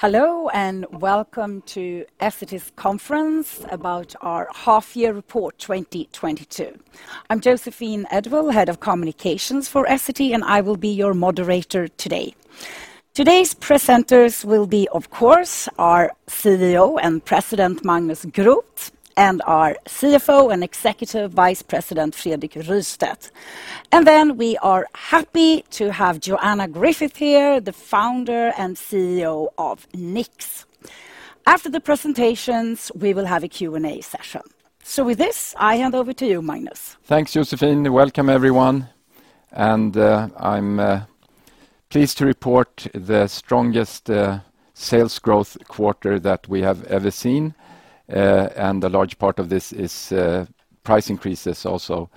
Hello, and welcome to Essity's conference about our half-year report 2022. I'm Josephine Edwall-Björklund, Head of Communications for Essity, and I will be your moderator today. Today's presenters will be, of course, our CEO and President, Magnus Groth, and our CFO and Executive Vice President, Fredrik Rystedt. Then we are happy to have Joanna Griffiths here, the Founder and CEO of Knix. After the presentations, we will have a Q&A session. With this, I hand over to you, Magnus. Thanks, Josephine. Welcome everyone, and I'm pleased to report the strongest sales growth quarter that we have ever seen. A large part of this is price increases, also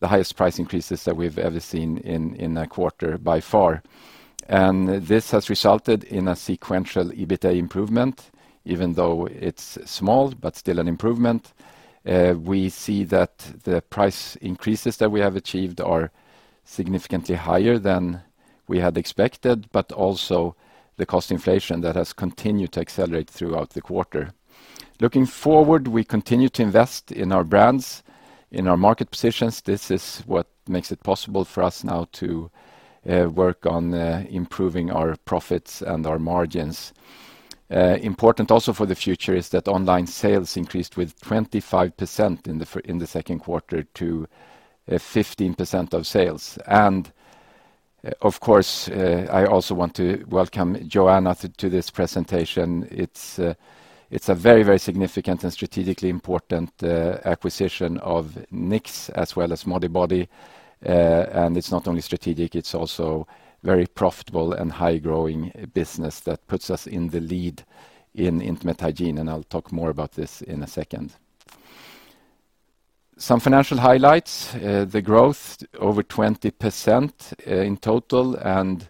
the highest price increases that we've ever seen in a quarter by far. This has resulted in a sequential EBITA improvement, even though it's small, but still an improvement. We see that the price increases that we have achieved are significantly higher than we had expected, but also the cost inflation that has continued to accelerate throughout the quarter. Looking forward, we continue to invest in our brands, in our market positions. This is what makes it possible for us now to work on improving our profits and our margins. Important also for the future is that online sales increased with 25% in the second quarter to 15% of sales. Of course, I also want to welcome Joanna to this presentation. It's a very, very significant and strategically important acquisition of Knix as well as Modibodi. It's not only strategic, it's also very profitable and high-growing business that puts us in the lead in intimate hygiene, and I'll talk more about this in a second. Some financial highlights, the growth over 20% in total, and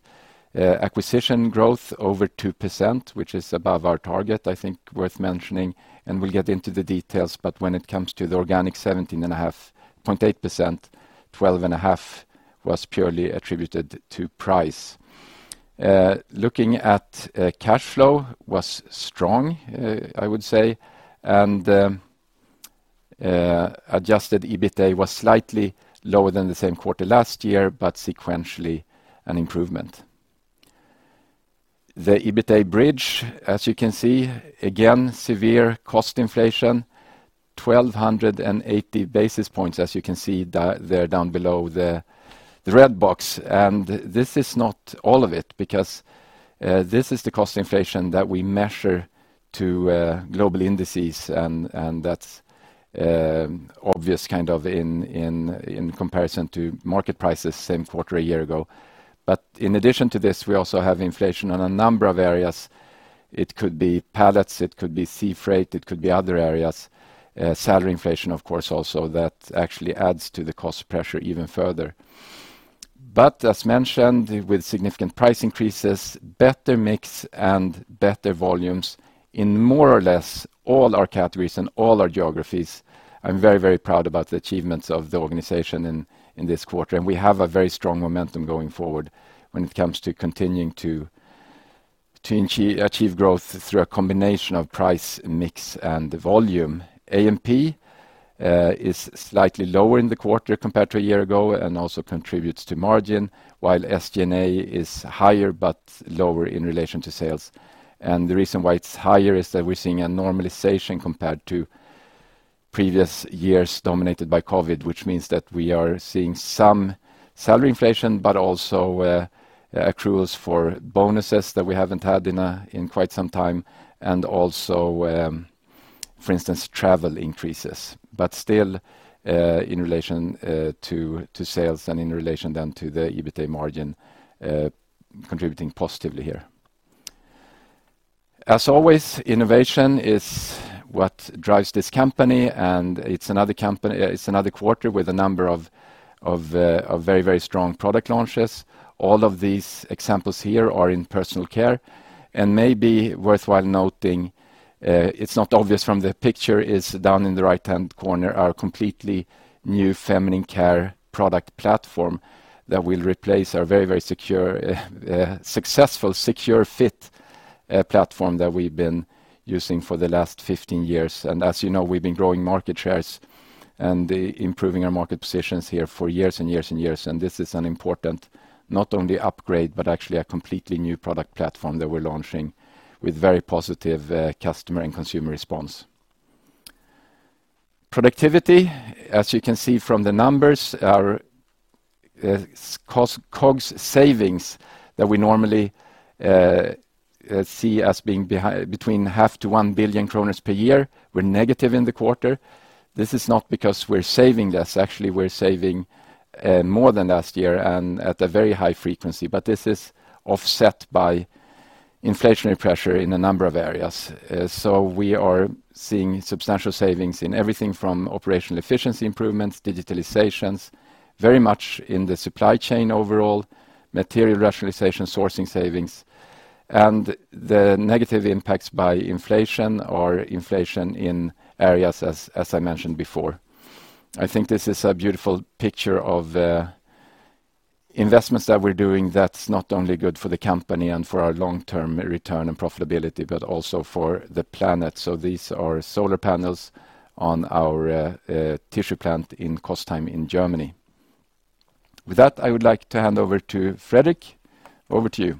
acquisition growth over 2%, which is above our target, I think worth mentioning, and we'll get into the details. When it comes to the organic 17.8%, 12.5% was purely attributed to price. Looking at cash flow was strong, I would say. Adjusted EBITA was slightly lower than the same quarter last year, but sequentially an improvement. The EBITA bridge, as you can see, again, severe cost inflation, 1,280 basis points, as you can see down below the red box. This is not all of it because this is the cost inflation that we measure to global indices and that's obvious kind of in comparison to market prices same quarter a year ago. In addition to this, we also have inflation on a number of areas. It could be pallets, it could be sea freight, it could be other areas. Salary inflation, of course, also that actually adds to the cost pressure even further. As mentioned, with significant price increases, better mix and better volumes in more or less all our categories and all our geographies, I'm very, very proud about the achievements of the organization in this quarter. We have a very strong momentum going forward when it comes to continuing to achieve growth through a combination of price, mix, and volume. AMP is slightly lower in the quarter compared to a year ago and also contributes to margin, while SG&A is higher but lower in relation to sales. The reason why it's higher is that we're seeing a normalization compared to previous years dominated by COVID, which means that we are seeing some salary inflation, but also accruals for bonuses that we haven't had in quite some time, and also, for instance, travel increases. Still, in relation to sales and in relation then to the EBITA margin, contributing positively here. As always, innovation is what drives this company, and it's another quarter with a number of very strong product launches. All of these examples here are in personal care and maybe worth noting, it's not obvious from the picture, it's down in the right-hand corner, our completely new feminine care product platform that will replace our very secure, successful SecureFit platform that we've been using for the last 15 years. As you know, we've been growing market shares and improving our market positions here for years and years and years. This is an important, not only upgrade, but actually a completely new product platform that we're launching with very positive customer and consumer response. Productivity, as you can see from the numbers, our cost COGS savings that we normally see as being between SEK 500 million to 1 billion kronor per year, we're negative in the quarter. This is not because we're saving less. Actually, we're saving more than last year and at a very high frequency. This is offset by inflationary pressure in a number of areas. We are seeing substantial savings in everything from operational efficiency improvements, digitalizations, very much in the supply chain overall, material rationalization, sourcing savings, and the negative impacts by inflation or inflation in areas as I mentioned before. I think this is a beautiful picture of investments that we're doing, that's not only good for the company and for our long-term return and profitability, but also for the planet. These are solar panels on our tissue plant in Kostheim in Germany. With that, I would like to hand over to Fredrik. Over to you.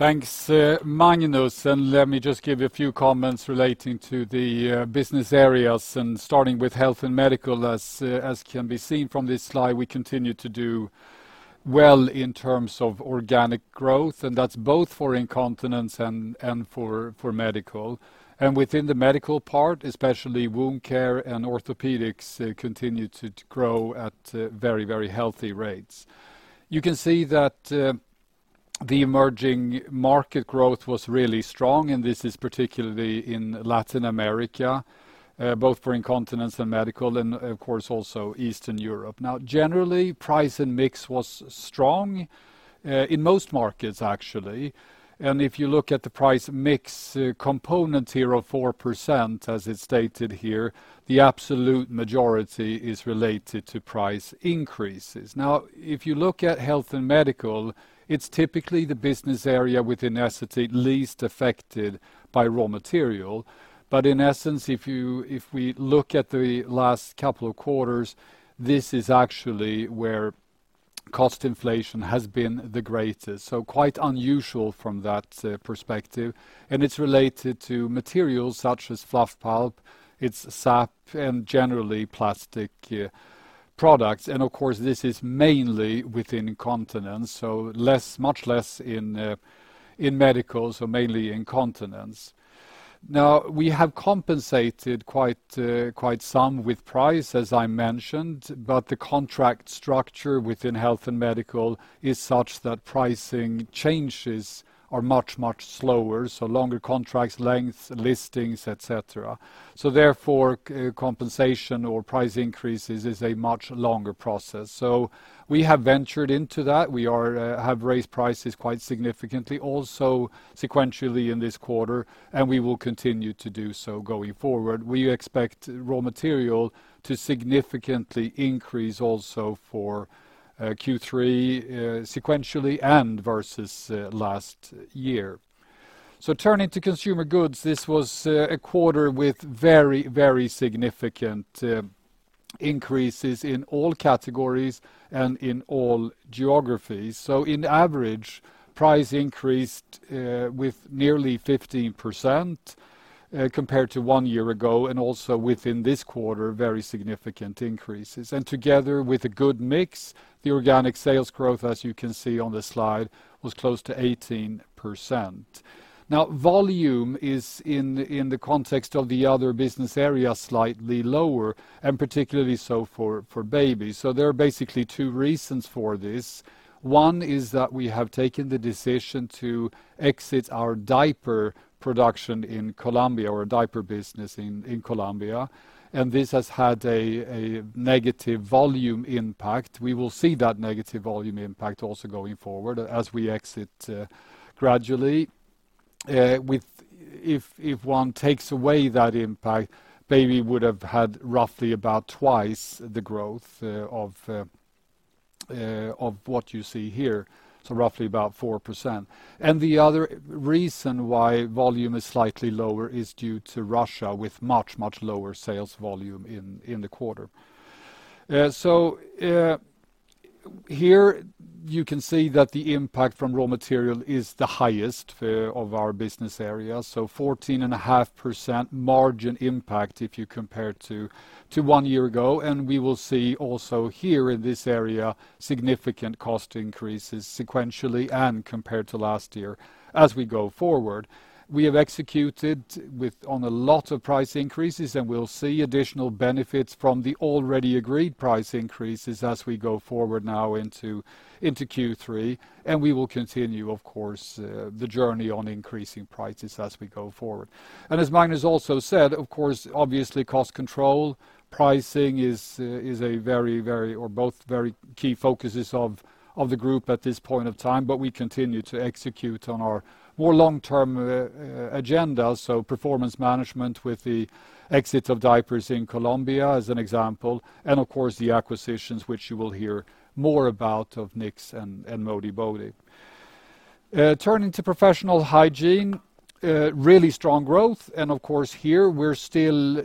Thanks, Magnus, and let me just give a few comments relating to the business areas, and starting with Health and Medical. As can be seen from this slide, we continue to do well in terms of organic growth, and that's both for incontinence and for medical. Within the medical part, especially wound care and orthopedics, continue to grow at very, very healthy rates. You can see that the emerging market growth was really strong, and this is particularly in Latin America, both for incontinence and medical and, of course, also Eastern Europe. Now, generally, price and mix was strong in most markets actually. If you look at the price mix component here of 4%, as it's stated here, the absolute majority is related to price increases. Now, if you look at Health &Medical, it's typically the business area within Essity least affected by raw material. In essence, if we look at the last couple of quarters, this is actually where cost inflation has been the greatest. Quite unusual from that perspective, and it's related to materials such as fluff pulp, it's SAP and generally plastic products. Of course, this is mainly within incontinence, so much less in medical, so mainly incontinence. Now, we have compensated quite some with price, as I mentioned, but the contract structure within Health & Medical is such that pricing changes are much, much slower, so longer contracts lengths, listings, et cetera. Therefore, compensation or price increases is a much longer process. We have ventured into that. We have raised prices quite significantly, also sequentially in this quarter, and we will continue to do so going forward. We expect raw material to significantly increase also for Q3, sequentially and versus last year. Turning to Consumer Goods, this was a quarter with very, very significant increases in all categories and in all geographies. On average, price increased with nearly 15%, compared to one year ago, and also within this quarter, very significant increases. Together with a good mix, the organic sales growth, as you can see on the slide, was close to 18%. Volume is, in the context of the other business areas, slightly lower, and particularly so for babies. There are basically two reasons for this. One, is that we have taken the decision to exit our diaper production in Colombia or diaper business in Colombia, and this has had a negative volume impact. We will see that negative volume impact also going forward as we exit gradually. If one takes away that impact, baby would have had roughly about twice the growth of what you see here, so roughly about 4%. The other reason why volume is slightly lower is due to Russia with much lower sales volume in the quarter. Here you can see that the impact from raw material is the highest of our business areas, so 14.5% margin impact if you compare to one year ago. We will see also here in this area significant cost increases sequentially and compared to last year as we go forward. We have executed on a lot of price increases, and we'll see additional benefits from the already agreed price increases as we go forward now into Q3, and we will continue, of course, the journey on increasing prices as we go forward. As Magnus also said, of course, obviously, cost control, pricing is a very or both very key focuses of the group at this point of time, but we continue to execute on our more long-term agenda. Performance management with the exit of diapers in Colombia as an example, and of course, the acquisitions which you will hear more about of Knix and Modibodi. Turning to Professional Hygiene, really strong growth. Of course, here we're still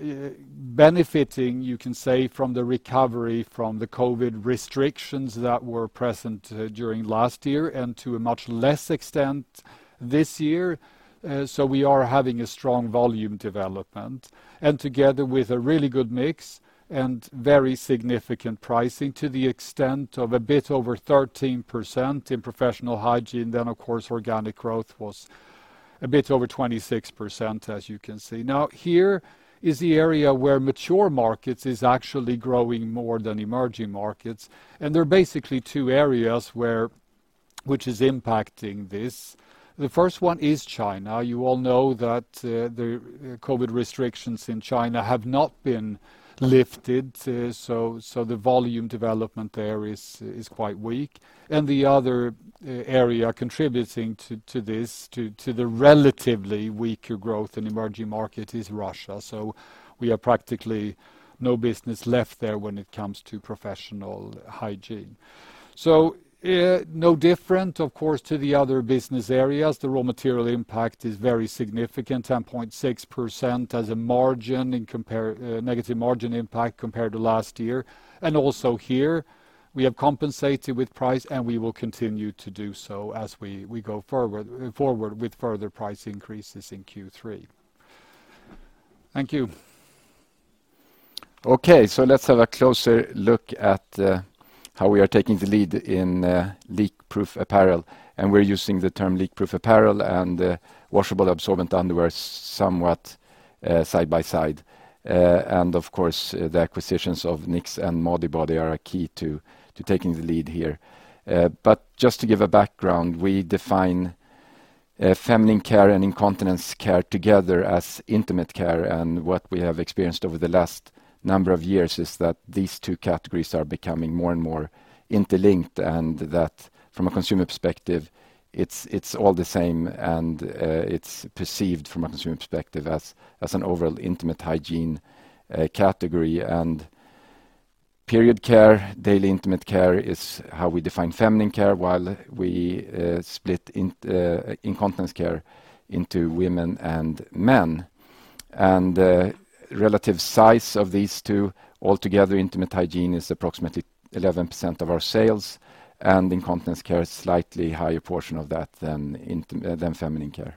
benefiting, you can say, from the recovery from the COVID restrictions that were present during last year and to a much less extent this year. We are having a strong volume development. Together with a really good mix and very significant pricing to the extent of a bit over 13% in Professional Hygiene, then of course, organic growth was a bit over 26%, as you can see. Now, here is the area where mature markets is actually growing more than emerging markets. There are basically two areas where which is impacting this. The first one is China. You all know that, the COVID restrictions in China have not been lifted, so the volume development there is quite weak. The other area contributing to this, to the relatively weaker growth in emerging market is Russia. We have practically no business left there when it comes to Professional Hygiene. No different of course to the other business areas. The raw material impact is very significant, 10.6% negative margin impact compared to last year. Also here we have compensated with price, and we will continue to do so as we go forward with further price increases in Q3. Thank you. Okay. Let's have a closer look at how we are taking the lead in leak-proof apparel, and we're using the term leak-proof apparel and washable absorbent underwear somewhat side by side. Of course, the acquisitions of Knix and Modibodi are a key to taking the lead here. Just to give a background, we define feminine care and incontinence care together as intimate care, and what we have experienced over the last number of years is that these two categories are becoming more and more interlinked, and that from a consumer perspective, it's all the same and it's perceived from a consumer perspective as an overall intimate hygiene category, and period care, daily intimate care is how we define feminine care while we split incontinence care into women and men. Relative size of these two all together, intimate hygiene is approximately 11% of our sales, and incontinence care is slightly higher portion of that than feminine care.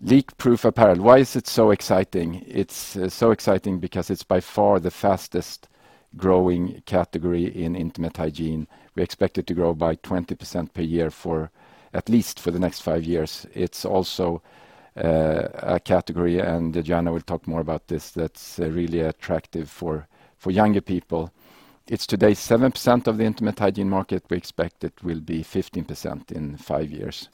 Leak-proof apparel. Why is it so exciting? It's so exciting because it's by far the fastest growing category in intimate hygiene. We expect it to grow by 20% per year for at least the next five years. It's also a category, and Joanna will talk more about this, that's really attractive for younger people. It's today 7% of the intimate hygiene market. We expect it will be 15% in five years.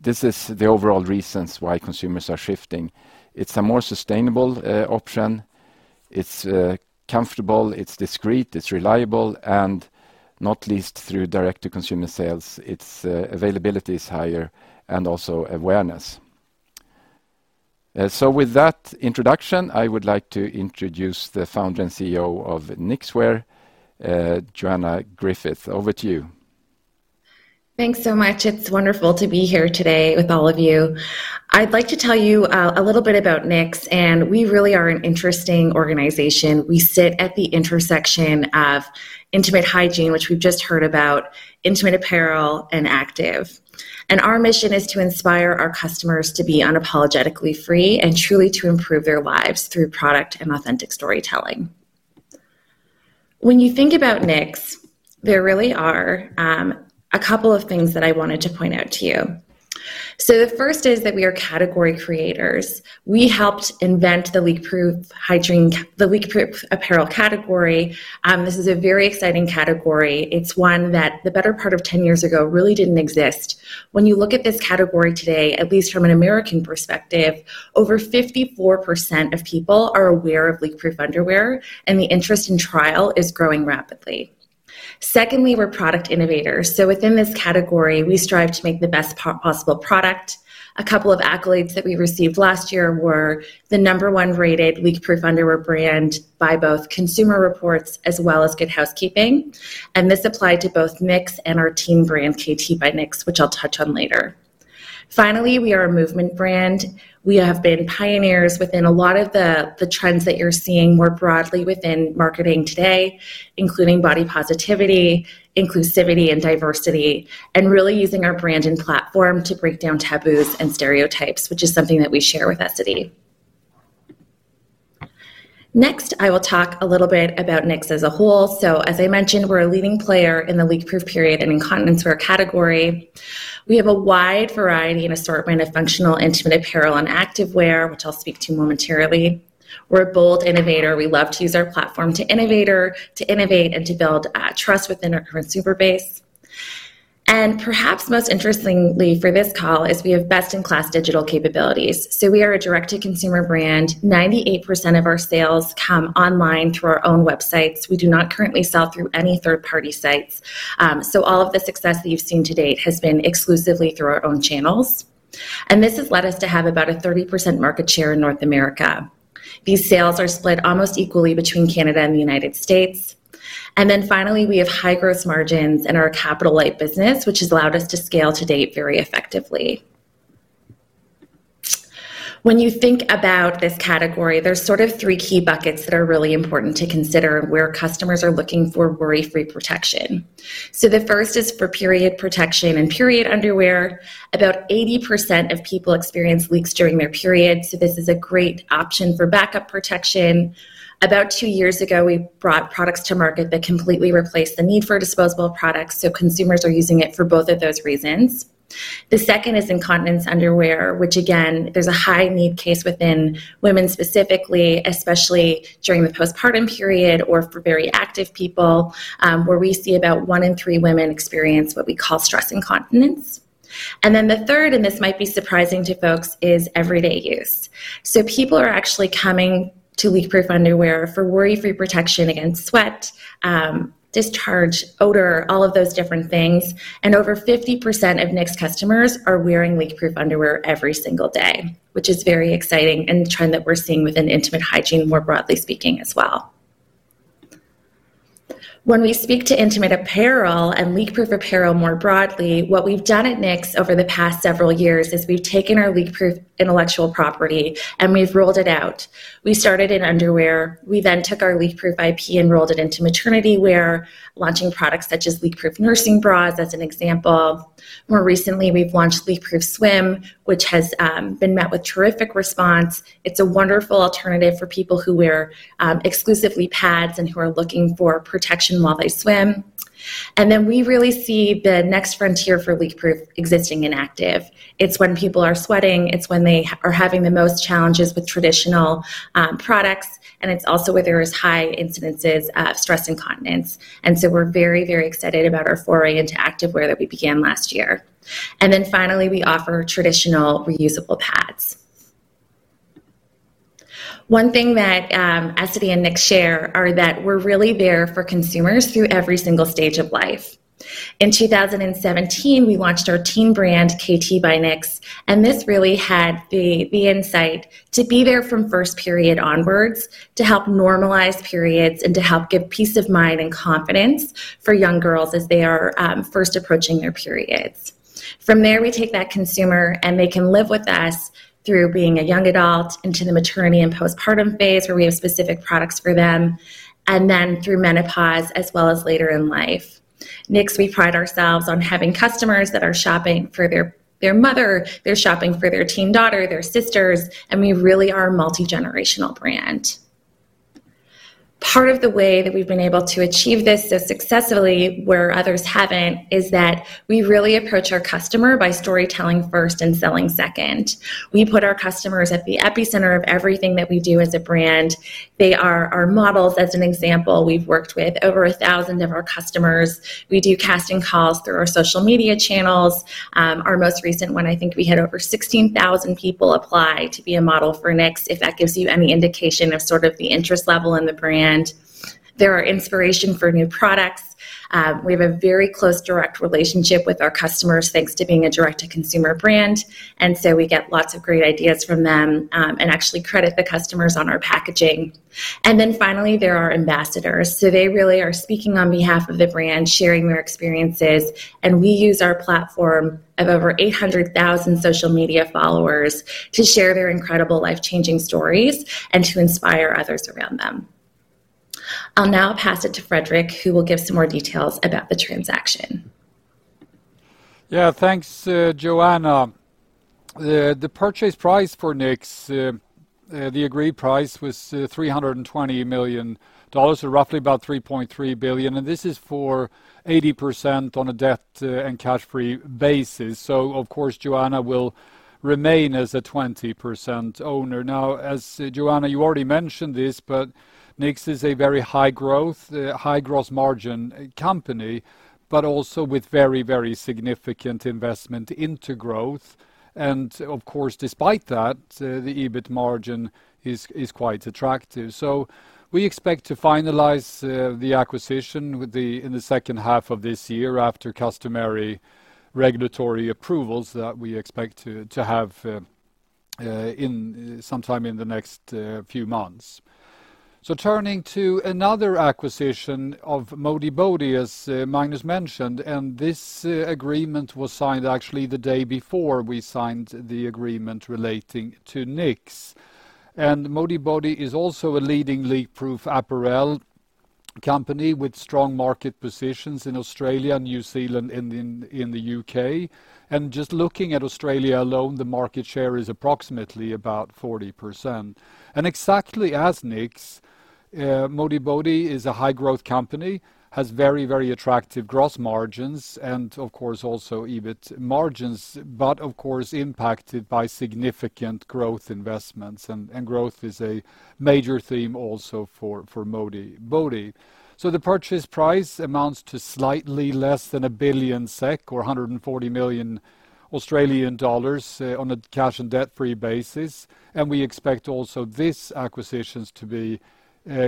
This is the overall reasons why consumers are shifting. It's a more sustainable option. It's comfortable, it's discreet, it's reliable, and not least through direct to consumer sales, its availability is higher and also awareness. With that introduction, I would like to introduce the Founder and CEO of Knix Wear, Joanna Griffiths. Over to you. Thanks so much. It's wonderful to be here today with all of you. I'd like to tell you a little bit about Knix, and we really are an interesting organization. We sit at the intersection of intimate hygiene, which we've just heard about, intimate apparel and active. Our mission is to inspire our customers to be unapologetically free and truly to improve their lives through product and authentic storytelling. When you think about Knix, there really are a couple of things that I wanted to point out to you. The first is that we are category creators. We helped invent the leak-proof apparel category. This is a very exciting category. It's one that the better part of 10 years ago really didn't exist. When you look at this category today, at least from an American perspective, over 54% of people are aware of leak-proof underwear, and the interest in trial is growing rapidly. Secondly, we're product innovators, so within this category, we strive to make the best possible product. A couple of accolades that we received last year were the number one rated leak-proof underwear brand by both Consumer Reports as well as Good Housekeeping, and this applied to both Knix and our teen brand, KT by Knix, which I'll touch on later. Finally, we are a movement brand. We have been pioneers within a lot of the trends that you're seeing more broadly within marketing today, including body positivity, inclusivity, and diversity, and really using our brand and platform to break down taboos and stereotypes, which is something that we share with Essity. Next, I will talk a little bit about Knix as a whole. As I mentioned, we're a leading player in the leak-proof period and incontinence wear category. We have a wide variety and assortment of functional intimate apparel and active wear, which I'll speak to more materially. We're a bold innovator. We love to use our platform to innovate and to build trust within our consumer base. Perhaps most interestingly for this call is we have best-in-class digital capabilities. We are a direct-to-consumer brand. 98% of our sales come online through our own websites. We do not currently sell through any third-party sites. All of the success that you've seen to date has been exclusively through our own channels, and this has led us to have about 30% market share in North America. These sales are split almost equally between Canada and the United States. Then finally, we have high growth margins in our capital-light business, which has allowed us to scale to date very effectively. When you think about this category, there's sort of three key buckets that are really important to consider where customers are looking for worry-free protection. The first is for period protection and period underwear. About 80% of people experience leaks during their period, so this is a great option for backup protection. About two years ago, we brought products to market that completely replaced the need for disposable products, so consumers are using it for both of those reasons. The second is incontinence underwear, which again, there's a high need case within women specifically, especially during the postpartum period or for very active people, where we see about one in three women experience what we call stress incontinence. The third, and this might be surprising to folks, is everyday use. People are actually coming to leakproof underwear for worry-free protection against sweat, discharge, odor, all of those different things. Over 50% of Knix customers are wearing leakproof underwear every single day, which is very exciting and the trend that we're seeing within intimate hygiene more broadly speaking as well. When we speak to intimate apparel and leakproof apparel more broadly, what we've done at Knix over the past several years is we've taken our leakproof intellectual property, and we've rolled it out. We started in underwear. We took our leakproof IP and rolled it into maternity wear, launching products such as leakproof nursing bras, as an example. More recently, we've launched Leakproof Swim, which has been met with terrific response. It's a wonderful alternative for people who wear exclusively pads and who are looking for protection while they swim. We really see the next frontier for leakproof existing in active. It's when people are sweating. It's when they are having the most challenges with traditional products, and it's also where there is high incidences of stress incontinence. We're very, very excited about our foray into activewear that we began last year. Finally, we offer traditional reusable pads. One thing that Essity and Knix share are that we're really there for consumers through every single stage of life. In 2017, we launched our teen brand, KT by Knix, and this really had the insight to be there from first period onwards to help normalize periods and to help give peace of mind and confidence for young girls as they are first approaching their periods. From there, we take that consumer, and they can live with us through being a young adult into the maternity and postpartum phase, where we have specific products for them, and then through menopause as well as later in life. Knix, we pride ourselves on having customers that are shopping for their mother, they're shopping for their teen daughter, their sisters, and we really are a multigenerational brand. Part of the way that we've been able to achieve this so successfully where others haven't is that we really approach our customer by storytelling first and selling second. We put our customers at the epicenter of everything that we do as a brand. They are our models. As an example, we've worked with over 1,000 of our customers. We do casting calls through our social media channels. Our most recent one, I think we had over 16,000 people apply to be a model for Knix, if that gives you any indication of sort of the interest level in the brand. They're our inspiration for new products. We have a very close direct relationship with our customers, thanks to being a direct-to-consumer brand, and so we get lots of great ideas from them, and actually credit the customers on our packaging. Finally, they're our ambassadors. They really are speaking on behalf of the brand, sharing their experiences, and we use our platform of over 800,000 social media followers to share their incredible life-changing stories and to inspire others around them. I'll now pass it to Fredrik, who will give some more details about the transaction. Yeah. Thanks, Joanna. The purchase price for Knix, the agreed price was $320 million, so roughly about 3.3 billion, and this is for 80% on a debt-free and cash-free basis. Of course, Joanna will remain as a 20% owner. Now, as Joanna, you already mentioned this, but Knix is a very high-growth, high gross margin company, but also with very, very significant investment into growth. Of course, despite that, the EBIT margin is quite attractive. We expect to finalize the acquisition in the second half of this year after customary regulatory approvals that we expect to have in some time in the next few months. Turning to another acquisition of Modibodi, as Magnus mentioned, and this agreement was signed actually the day before we signed the agreement relating to Knix. Modibodi is also a leading leakproof apparel company with strong market positions in Australia, New Zealand, and in the U.K.. Just looking at Australia alone, the market share is approximately about 40%. Exactly as Knix, Modibodi is a high-growth company, has very attractive gross margins and of course, also EBIT margins, but of course impacted by significant growth investments, and growth is a major theme also for Modibodi. The purchase price amounts to slightly less than 1 billion SEK or 140 million Australian dollars, on a cash and debt-free basis. We expect also these acquisitions to be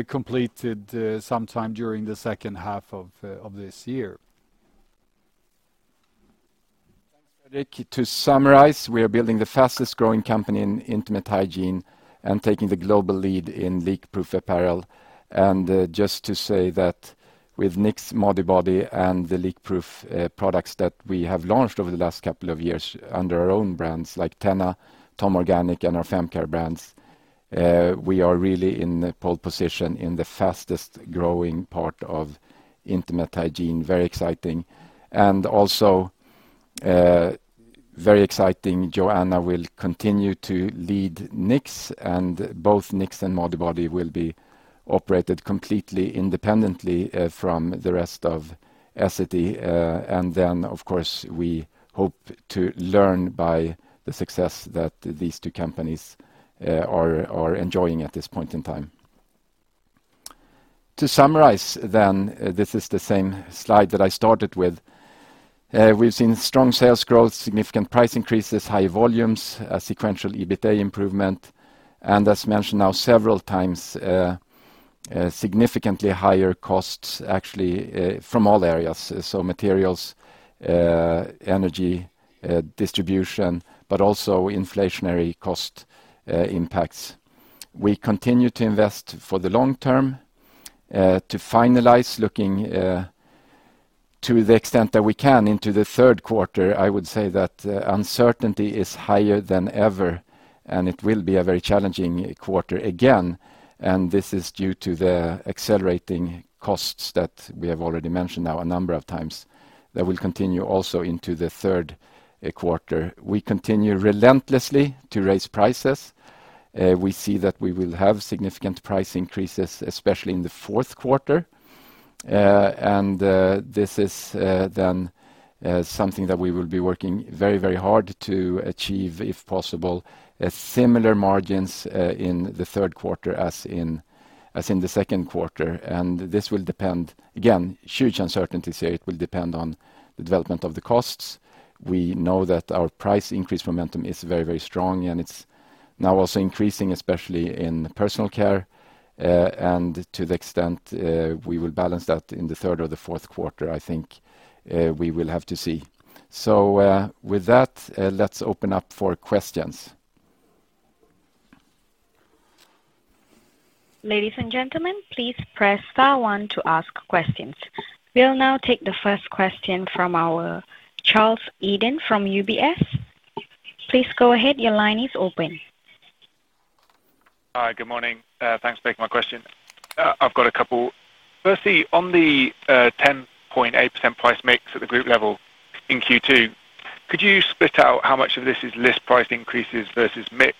completed sometime during the second half of this year. Thanks, Fredrik. To summarize, we are building the fastest-growing company in intimate hygiene and taking the global lead in leakproof apparel. Just to say that with Knix, Modibodi, and the leakproof products that we have launched over the last couple of years under our own brands like TENA, TOM Organic, and our FemCare brands. We are really in the pole position in the fastest-growing part of intimate hygiene. Very exciting. Very exciting, Joanna will continue to lead Knix, and both Knix and Modibodi will be operated completely independently from the rest of Essity. Of course, we hope to learn by the success that these two companies are enjoying at this point in time. To summarize, this is the same slide that I started with. We've seen strong sales growth, significant price increases, high volumes, a sequential EBITA improvement, and as mentioned now several times, significantly higher costs actually from all areas. Materials, energy, distribution, but also inflationary cost impacts. We continue to invest for the long term to finalize looking to the extent that we can into the third quarter. I would say that uncertainty is higher than ever, and it will be a very challenging quarter again. This is due to the accelerating costs that we have already mentioned now a number of times that will continue also into the third quarter. We continue relentlessly to raise prices. We see that we will have significant price increases, especially in the fourth quarter. This is then something that we will be working very, very hard to achieve, if possible, similar margins in the third quarter as in the second quarter. This will depend. Again, huge uncertainty. It will depend on the development of the costs. We know that our price increase momentum is very, very strong, and it's now also increasing, especially in personal care. To the extent we will balance that in the third or the fourth quarter, I think we will have to see. With that, let's open up for questions. Ladies and gentlemen, please press star one to ask questions. We'll now take the first question from our Charles Eden from UBS. Please go ahead. Your line is open. Hi. Good morning. Thanks for taking my question. I've got a couple. Firstly, on the 10.8% price mix at the group level in Q2, could you split out how much of this is list price increases versus mix?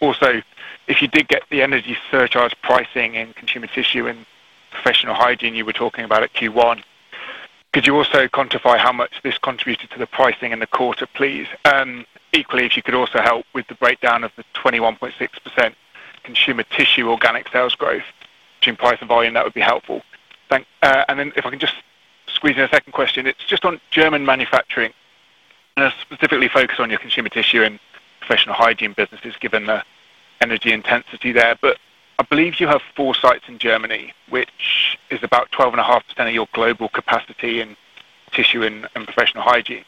Also, if you did get the energy surcharge pricing in Consumer Tissue and Professional Hygiene you were talking about at Q1, could you also quantify how much this contributed to the pricing in the quarter, please? Equally, if you could also help with the breakdown of the 21.6% Consumer Tissue organic sales growth between price and volume, that would be helpful. If I can just squeeze in a second question, it's just on German manufacturing. Specifically focus on your Consumer Tissue and Professional Hygiene businesses, given the energy intensity there. I believe you have four sites in Germany, which is about 12.5% of your global capacity in Tissue and Professional Hygiene.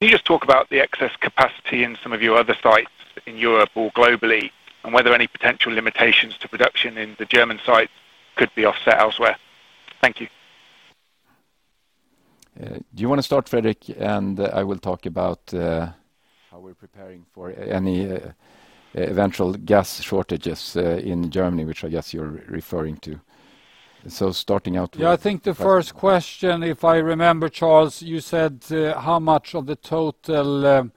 Can you just talk about the excess capacity in some of your other sites in Europe or globally, and whether any potential limitations to production in the German sites could be offset elsewhere? Thank you. Do you wanna start, Fredrik, and I will talk about how we're preparing for any eventual gas shortages in Germany, which I guess you're referring to. Starting out with. Yeah, I think the first question, if I remember, Charles, you said, how much of the total,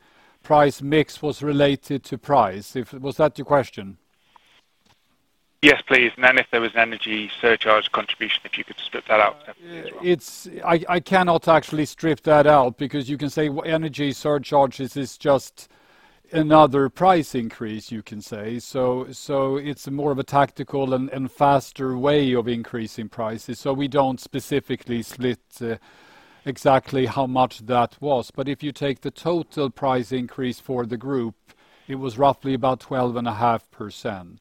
price mix was related to price. Was that your question? Yes, please. If there was an energy surcharge contribution, if you could split that out as well. I cannot actually strip that out because you can say energy surcharge is just another price increase, you can say. So it's more of a tactical and faster way of increasing prices. So we don't specifically split exactly how much that was. But if you take the total price increase for the group, it was roughly about 12.5%.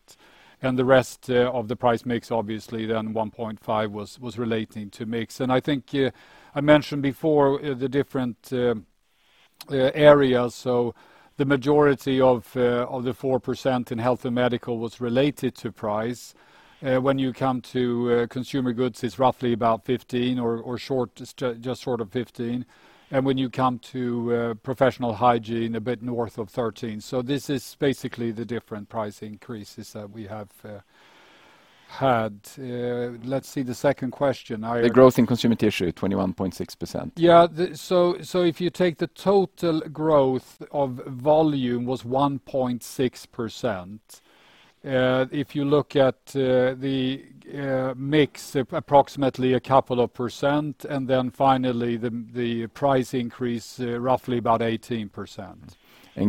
The rest of the price mix, obviously then 1.5 was relating to mix. I think I mentioned before the different areas. So the majority of the 4% in Health & Medical was related to price. When you come to Consumer Goods, it's roughly about 15 or just short of 15. When you come to Professional Hygiene, a bit north of 13. This is basically the different price increases that we have had. Let's see the second question. The growth in consumer tissue, 21.6%. If you take the total growth of volume was 1.6%. If you look at the mix, approximately a couple of percent, and then finally, the price increase, roughly about 18%.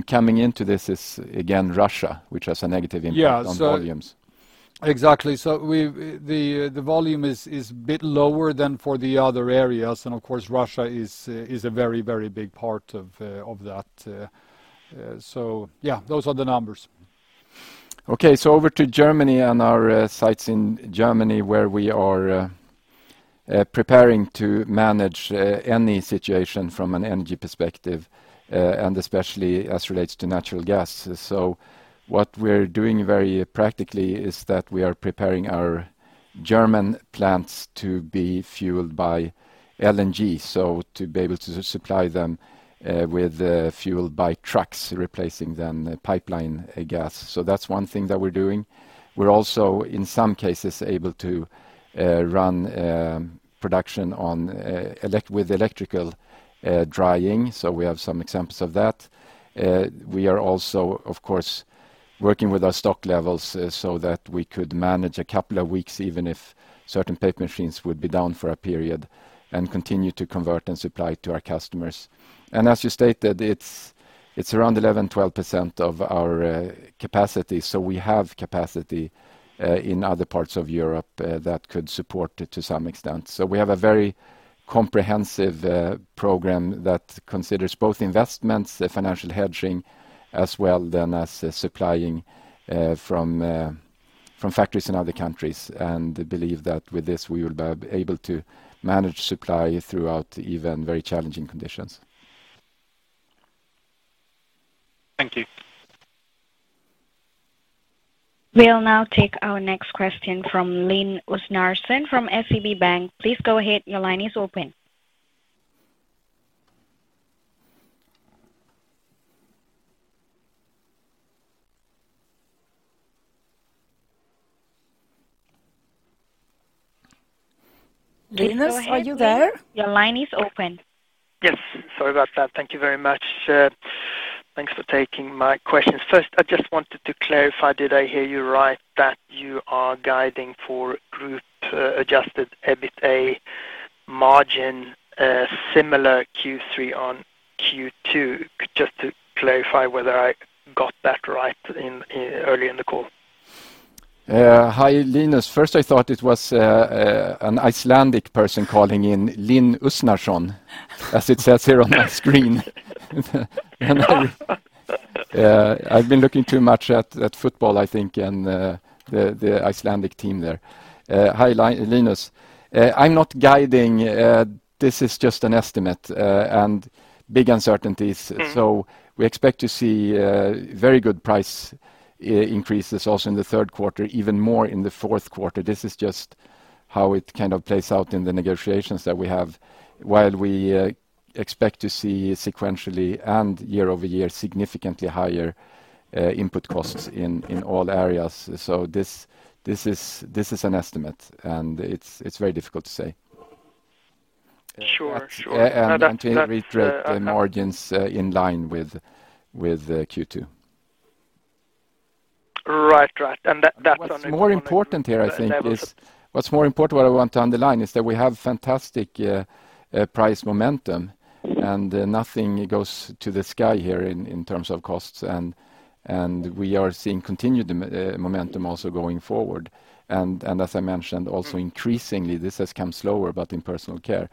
Coming into this is again Russia, which has a negative impact. Yeah. On volumes. Exactly. The volume is a bit lower than for the other areas, and of course, Russia is a very, very big part of that. Yeah, those are the numbers. Okay. Over to Germany and our sites in Germany where we are preparing to manage any situation from an energy perspective and especially as relates to natural gas. What we're doing very practically is that we are preparing our German plants to be fueled by LNG, so to be able to supply them with fuel by trucks, replacing then the pipeline gas. That's one thing that we're doing. We're also, in some cases, able to run production with electrical drying, so we have some examples of that. We are also, of course, working with our stock levels so that we could manage a couple of weeks, even if certain paper machines would be down for a period and continue to convert and supply to our customers. As you stated, it's around 11%-12% of our capacity, so we have capacity in other parts of Europe that could support it to some extent. We have a very comprehensive program that considers both investments, the financial hedging, as well then as supplying from factories in other countries. I believe that with this, we will be able to manage supply throughout even very challenging conditions. Thank you. We'll now take our next question from Linus Larsson from SEB Bank. Please go ahead. Your line is open. Linus Larsson, are you there? Please go ahead, Linus Larsson. Your line is open. Yes. Sorry about that. Thank you very much. Thanks for taking my questions. First, I just wanted to clarify, did I hear you right that you are guiding for group adjusted EBITA margin similar Q3 on Q2? Just to clarify whether I got that right early in the call. Hi, Linus. First, I thought it was an Icelandic person calling in, Linux Nation, as it says here on my screen. I've been looking too much at football, I think, and the Icelandic team there. Hi, Linus. I'm not guiding. This is just an estimate, and big uncertainties. Mm-hmm. We expect to see very good price increases also in the third quarter, even more in the fourth quarter. This is just how it kind of plays out in the negotiations that we have. While we expect to see sequentially and year-over-year, significantly higher input costs in all areas. This is an estimate, and it's very difficult to say. Sure. No, that's, To reiterate, the margin's in line with Q2. Right. That's understandable. What's more important, what I want to underline is that we have fantastic price momentum. Mm-hmm. Nothing goes to the sky here in terms of costs and we are seeing continued momentum also going forward. As I mentioned, also increasingly, this has come slower, but in personal care.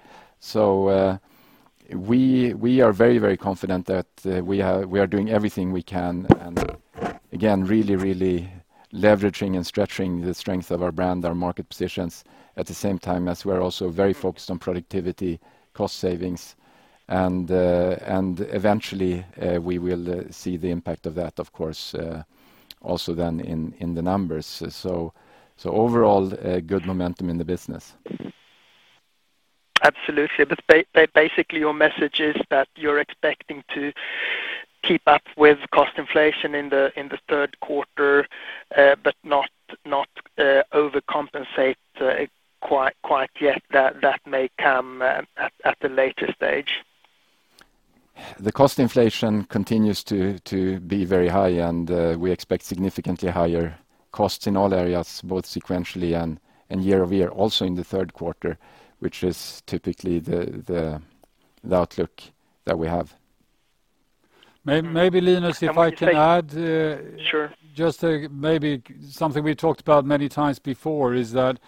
We are very confident that we are doing everything we can and again really leveraging and stretching the strength of our brand, our market positions. At the same time as we're also very focused on productivity, cost savings, and eventually we will see the impact of that, of course, also then in the numbers. Overall, a good momentum in the business. Absolutely. Basically, your message is that you're expecting to keep up with cost inflation in the third quarter, but not overcompensate quite yet. That may come at a later stage. The cost inflation continues to be very high, and we expect significantly higher costs in all areas, both sequentially and year-over-year, also in the third quarter, which is typically the outlook that we have. Maybe, Linus, if I can add. Sure. Just to maybe something we talked about many times before is that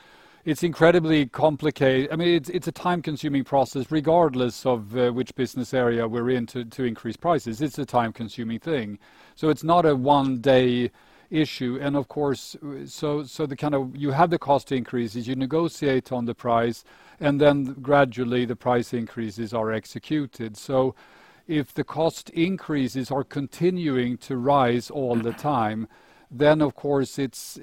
it's incredibly, I mean, it's a time-consuming process, regardless of which business area we're in to increase prices. It's a time-consuming thing. It's not a one-day issue, and of course the kind of you have the cost increases, you negotiate on the price, and then gradually the price increases are executed. If the cost increases are continuing to rise all the time, then of course it's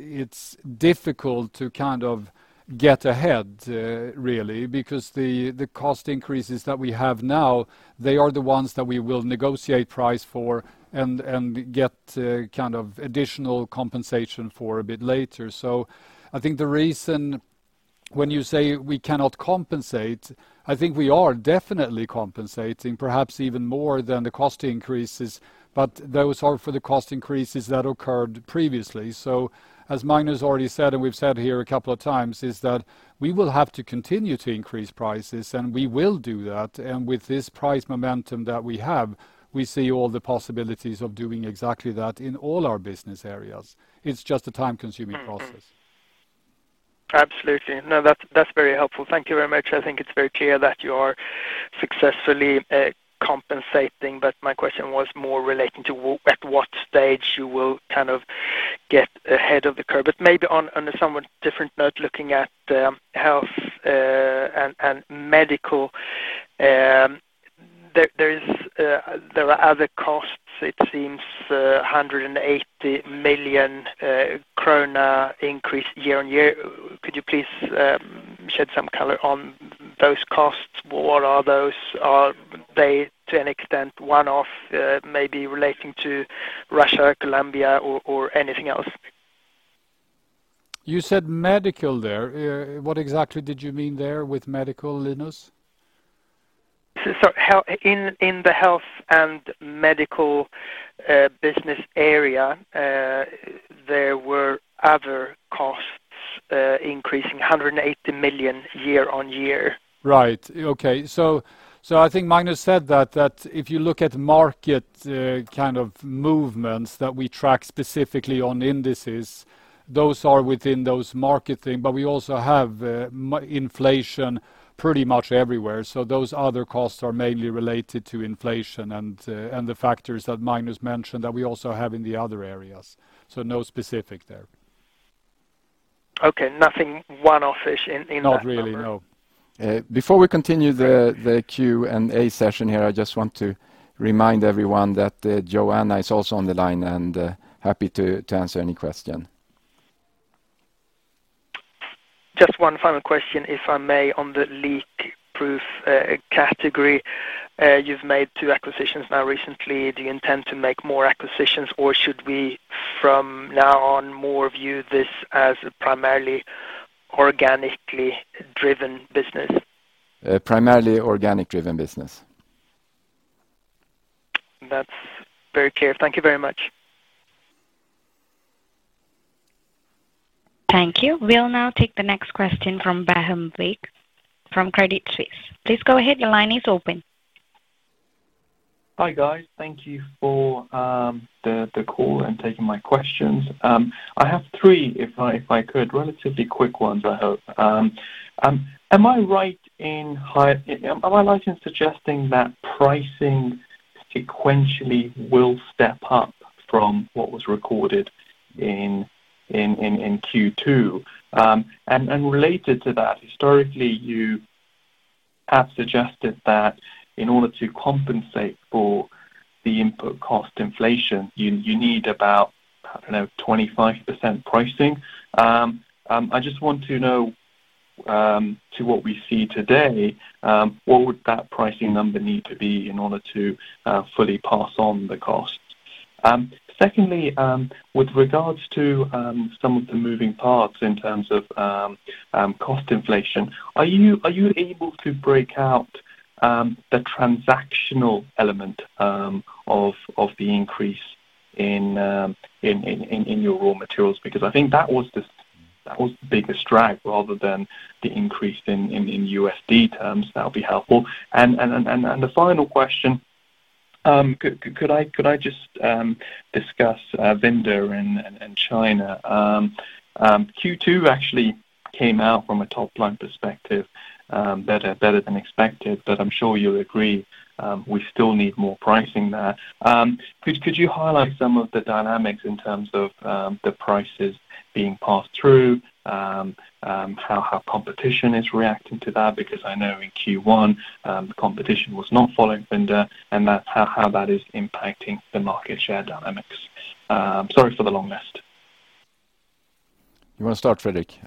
difficult to kind of get ahead really. Because the cost increases that we have now, they are the ones that we will negotiate price for and get kind of additional compensation for a bit later. I think the reason when you say we cannot compensate, I think we are definitely compensating, perhaps even more than the cost increases, but those are for the cost increases that occurred previously. As Magnus already said, and we've said here a couple of times, is that we will have to continue to increase prices, and we will do that. With this price momentum that we have, we see all the possibilities of doing exactly that in all our business areas. It's just a time-consuming process. Absolutely. No, that's very helpful. Thank you very much. I think it's very clear that you are successfully compensating, but my question was more relating to what stage you will kind of get ahead of the curve. Maybe on a somewhat different note, looking at Health & Medical, there are other costs. It seems 180 million krona increase year-over-year. Could you please shed some color on those costs? What are those? Are they, to an extent, one-off, maybe relating to Russia, Colombia or anything else? You said medical there. What exactly did you mean there with medical, Linus? Sorry. In the Health & Medical business area, there were other costs increasing SEK 180 million year-over-year. I think Magnus said that if you look at market kind of movements that we track specifically on indices, those are within those market things, but we also have mix inflation pretty much everywhere. Those other costs are mainly related to inflation and the factors that Magnus mentioned that we also have in the other areas. No specifics there. Okay. Nothing one-off-ish in that number. Not really, no. Before we continue the Q&A session here, I just want to remind everyone that Joanna is also on the line and happy to answer any question. Just one final question, if I may, on the leakproof category. You've made two acquisitions now recently. Do you intend to make more acquisitions, or should we, from now on, more view this as primarily organically driven business? Primarily organic driven business. That's very clear. Thank you very much. Thank you. We'll now take the next question from Faham Baig from Credit Suisse. Please go ahead. Your line is open. Hi, guys. Thank you for the call and taking my questions. I have three, if I could, relatively quick ones, I hope. Am I right in suggesting that pricing sequentially will step up from what was recorded in Q2? Related to that, historically, you have suggested that in order to compensate for the input cost inflation, you need about, I don't know, 25% pricing. I just want to know, to what we see today, what would that pricing number need to be in order to fully pass on the costs? Secondly, with regards to some of the moving parts in terms of cost inflation, are you able to break out the transactional element of the increase in your raw materials? Because I think that was the biggest drag rather than the increase in USD terms, that'll be helpful. The final question, could I just discuss Vinda in China? Q2 actually came out from a top-line perspective better than expected, but I'm sure you'll agree, we still need more pricing there. Could you highlight some of the dynamics in terms of the prices being passed through, how competition is reacting to that? Because I know in Q1, the competition was not following Vinda and how that is impacting the market share dynamics. Sorry for the long list. You want to start, Fredrik?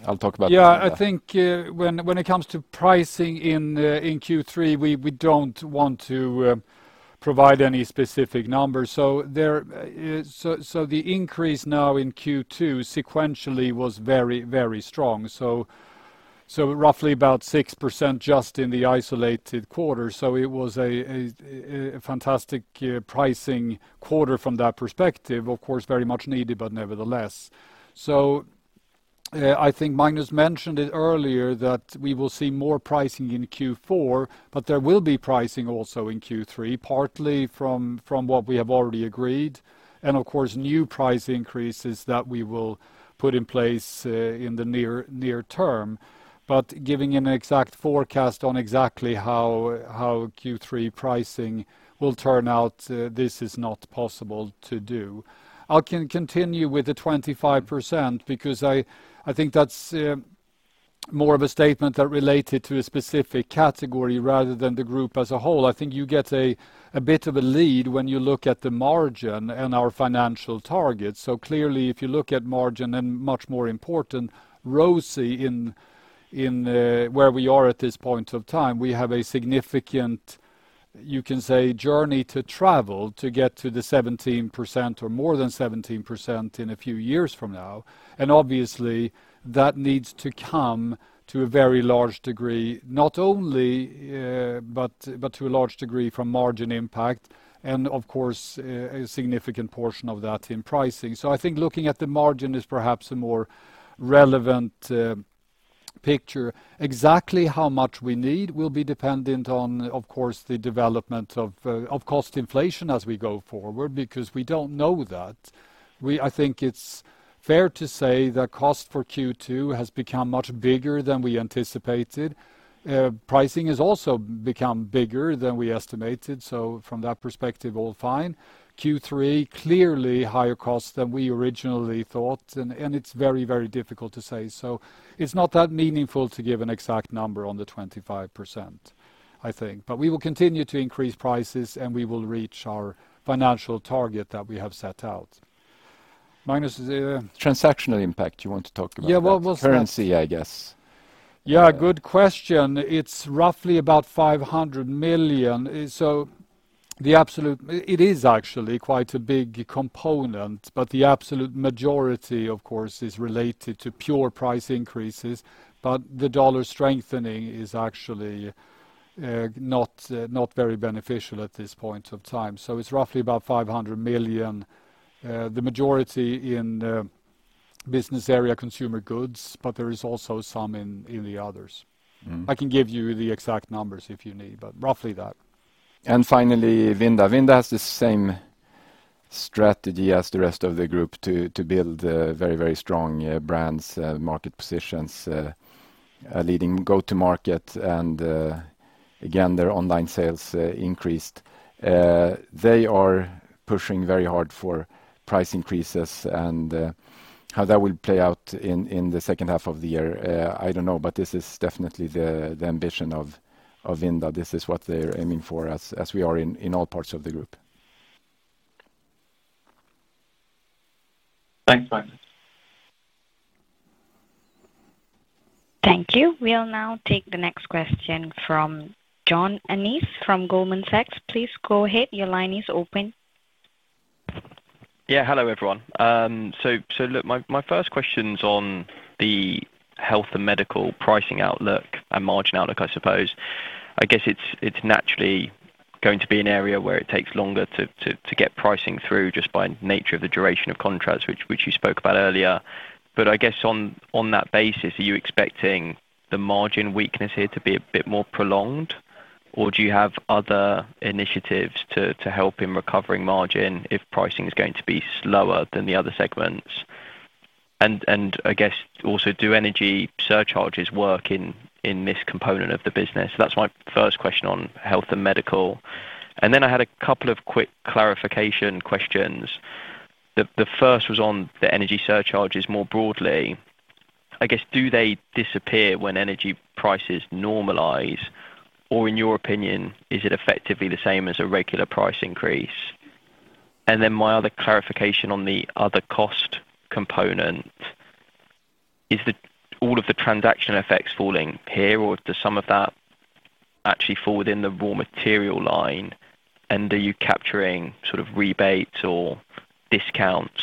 Yeah. I think when it comes to pricing in Q3, we don't want to provide any specific numbers. There the increase now in Q2 sequentially was very strong. Roughly about 6% just in the isolated quarter. It was a fantastic pricing quarter from that perspective. Of course, very much needed, but nevertheless. I think Magnus mentioned it earlier that we will see more pricing in Q4, but there will be pricing also in Q3, partly from what we have already agreed, and of course, new price increases that we will put in place in the near term. Giving an exact forecast on exactly how Q3 pricing will turn out, this is not possible to do. I can continue with the 25% because I think that's more of a statement that related to a specific category rather than the group as a whole. I think you get a bit of a lead when you look at the margin and our financial targets. Clearly, if you look at margin and much more important, ROCE in where we are at this point of time, we have a significant, you can say, journey to travel to get to the 17% or more than 17% in a few years from now. Obviously, that needs to come to a very large degree, not only, but to a large degree from margin impact and of course, a significant portion of that in pricing. I think looking at the margin is perhaps a more relevant picture. Exactly how much we need will be dependent on, of course, the development of cost inflation as we go forward because we don't know that. I think it's fair to say the cost for Q2 has become much bigger than we anticipated. Pricing has also become bigger than we estimated, so from that perspective, all fine. Q3, clearly higher cost than we originally thought, and it's very, very difficult to say. It's not that meaningful to give an exact number on the 25%, I think. We will continue to increase prices, and we will reach our financial target that we have set out. Magnus, is it- Transactional impact, you want to talk about that? Yeah, what was. Currency, I guess. Yeah, good question. It's roughly about 500 million. It is actually quite a big component, but the absolute majority, of course, is related to pure price increases. The dollar strengthening is actually not very beneficial at this point of time. It's roughly about 500 million, the majority in the business area Consumer Goods, but there is also some in the others. Mm-hmm. I can give you the exact numbers if you need, but roughly that. Finally, Vinda. Vinda has the same strategy as the rest of the group to build very, very strong brands, market positions, leading go-to-market and again, their online sales increased. They are pushing very hard for price increases and how that will play out in the second half of the year, I don't know. This is definitely the ambition of Vinda. This is what they're aiming for as we are in all parts of the group. Thanks, Magnus. Thank you. We'll now take the next question from John Ennis from Goldman Sachs. Please go ahead. Your line is open. Yeah. Hello, everyone. Look, my first question's on the Health & Medical pricing outlook and margin outlook, I suppose. I guess it's naturally going to be an area where it takes longer to get pricing through just by nature of the duration of contracts which you spoke about earlier. I guess on that basis, are you expecting the margin weakness here to be a bit more prolonged, or do you have other initiatives to help in recovering margin if pricing is going to be slower than the other segments? I guess also, do energy surcharges work in this component of the business? That's my first question on Health & Medical. Then I had a couple of quick clarification questions. The first was on the energy surcharges more broadly. I guess, do they disappear when energy prices normalize? Or in your opinion, is it effectively the same as a regular price increase? And then my other clarification on the other cost component, is all of the transaction effects falling here, or does some of that actually fall within the raw material line? And are you capturing sort of rebates or discounts,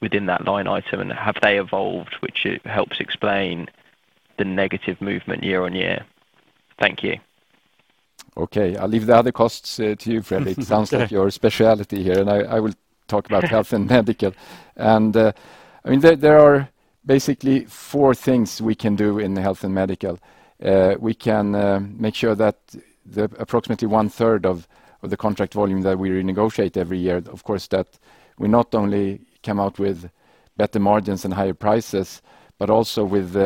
within that line item, and have they evolved, which helps explain the negative movement year-on-year? Thank you. Okay. I'll leave the other costs to you, Fredrik. It sounds like your specialty here, and I will talk about Health and Medical. There are basically four things we can do in Health & Medical. We can make sure that the approximately one-third of the contract volume that we renegotiate every year, of course, that we not only come out with better margins and higher prices, but also with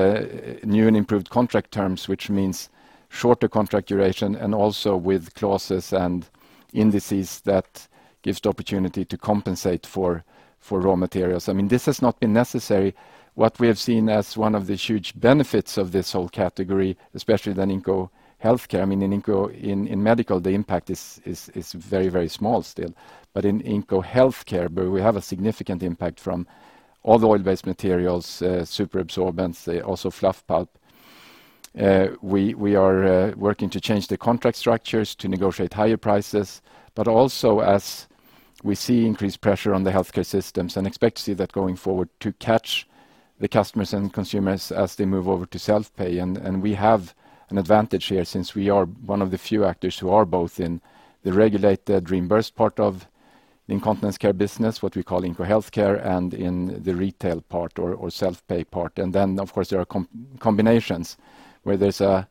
new and improved contract terms, which means shorter contract duration and also with clauses and indices that gives the opportunity to compensate for raw materials. I mean, this has not been necessary. What we have seen as one of the huge benefits of this whole category, especially in Inco Medical Care, where we have a significant impact from all the oil-based materials, super absorbents, also fluff pulp, we are working to change the contract structures to negotiate higher prices, but also as we see increased pressure on the healthcare systems and expect to see that going forward to catch the customers and consumers as they move over to self-pay. We have an advantage here since we are one of the few actors who are both in the regulated reimbursed part of the incontinence care business, what we call Inco Health Care, and in the retail part or self-pay part. Then, of course, there are combinations where there's a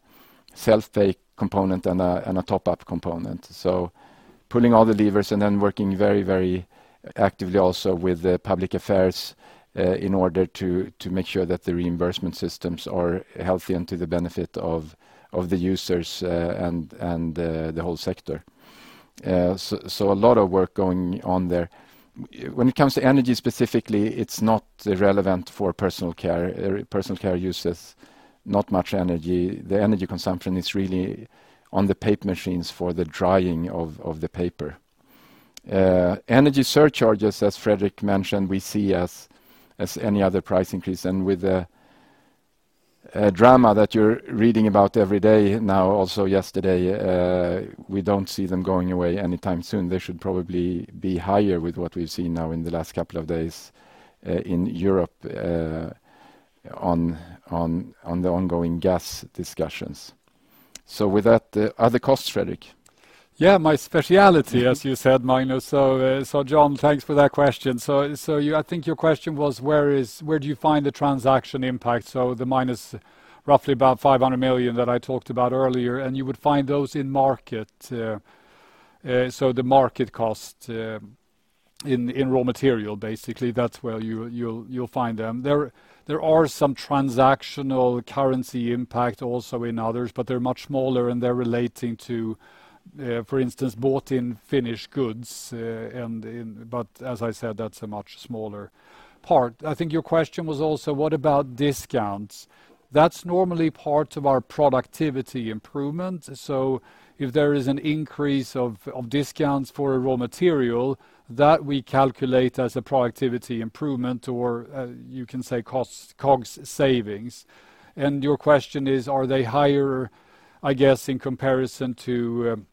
self-pay component and a top-up component. Pulling all the levers and then working very, very actively also with the public affairs, in order to make sure that the reimbursement systems are healthy and to the benefit of the users, and the whole sector. A lot of work going on there. When it comes to energy specifically, it's not relevant for personal care. Personal care uses not much energy. The energy consumption is really on the paper machines for the drying of the paper. Energy surcharges, as Fredrik mentioned, we see as any other price increase. With the drama that you're reading about every day now, also yesterday, we don't see them going away anytime soon. They should probably be higher with what we've seen now in the last couple of days in Europe on the ongoing gas discussions. With that, other costs, Fredrik. Yeah, my specialty, as you said, Magnus. John, thanks for that question. I think your question was where do you find the transaction impact? The -500 million that I talked about earlier, and you would find those in market, so the market cost, in raw material, basically. That's where you'll find them. There are some transactional currency impact also in others, but they're much smaller and they're relating to, for instance, bought in finished goods, and in. But as I said, that's a much smaller I think your question was also what about discounts? That's normally part of our productivity improvement. If there is an increase of discounts for a raw material, that we calculate as a productivity improvement or you can say cost COGS savings. Your question is, are they higher, I guess, in comparison to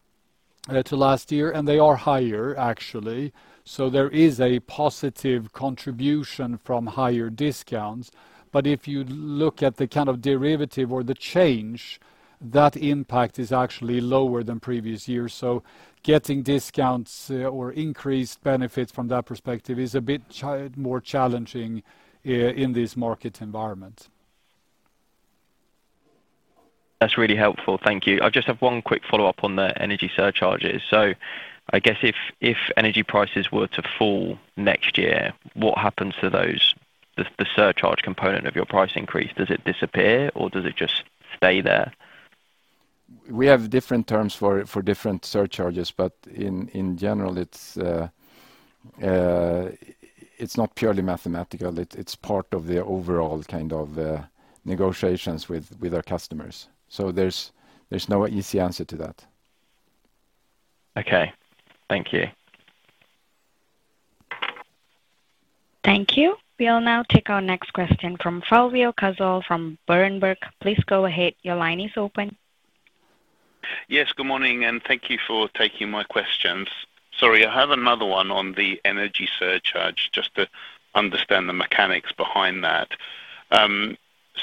last year? They are higher, actually. There is a positive contribution from higher discounts. If you look at the kind of derivative or the change, that impact is actually lower than previous years. Getting discounts or increased benefits from that perspective is a bit more challenging in this market environment. That's really helpful. Thank you. I just have one quick follow-up on the energy surcharges. I guess if energy prices were to fall next year, what happens to those? The surcharge component of your price increase, does it disappear or does it just stay there? We have different terms for different surcharges, but in general, it's not purely mathematical. It's part of the overall kind of negotiations with our customers. There's no easy answer to that. Okay. Thank you. Thank you. We'll now take our next question from Fulvio Cazzol from Berenberg. Please go ahead. Your line is open. Yes, good morning, and thank you for taking my questions. Sorry, I have another one on the energy surcharge, just to understand the mechanics behind that.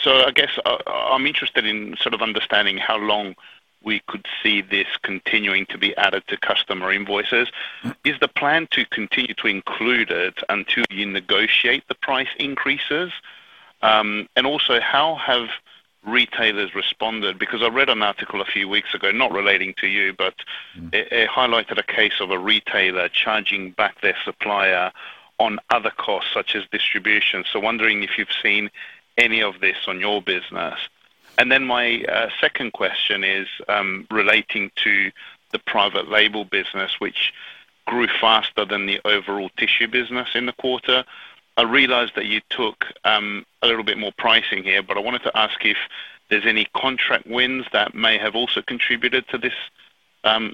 So I guess I'm interested in sort of understanding how long we could see this continuing to be added to customer invoices. Mm-hmm. Is the plan to continue to include it until you negotiate the price increases? How have retailers responded? Because I read an article a few weeks ago, not relating to you. Mm-hmm. It highlighted a case of a retailer charging back their supplier on other costs, such as distribution. Wondering if you've seen any of this on your business. My second question is relating to the private label business which grew faster than the overall tissue business in the quarter. I realized that you took a little bit more pricing here, but I wanted to ask if there's any contract wins that may have also contributed to this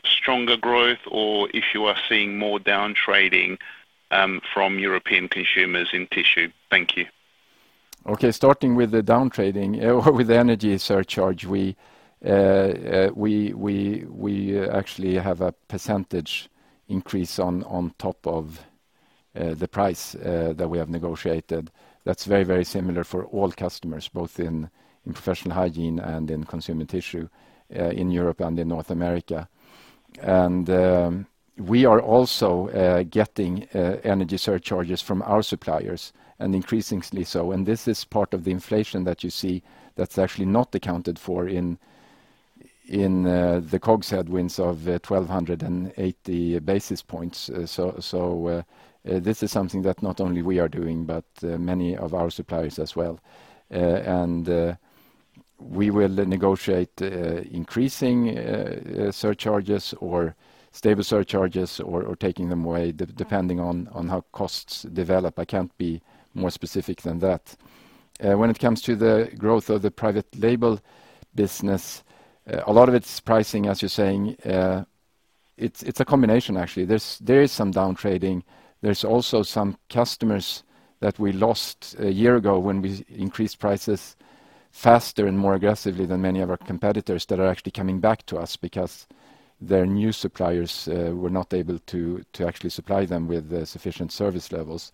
stronger growth, or if you are seeing more down trading from European consumers in tissue. Thank you. Starting with the down trading with the energy surcharge, we actually have a percentage increase on top of the price that we have negotiated. That's very, very similar for all customers, both in Professional Hygiene and in consumer tissue in Europe and in North America. We are also getting energy surcharges from our suppliers, and increasingly so. This is part of the inflation that you see that's actually not accounted for in the COGS headwinds of 1,280 basis points. This is something that not only we are doing, but many of our suppliers as well. We will negotiate increasing surcharges or stable surcharges or taking them away depending on how costs develop. I can't be more specific than that. When it comes to the growth of the private label business, a lot of it's pricing, as you're saying. It's a combination, actually. There is some down trading. There's also some customers that we lost a year ago when we increased prices faster and more aggressively than many of our competitors that are actually coming back to us because their new suppliers were not able to actually supply them with the sufficient service levels.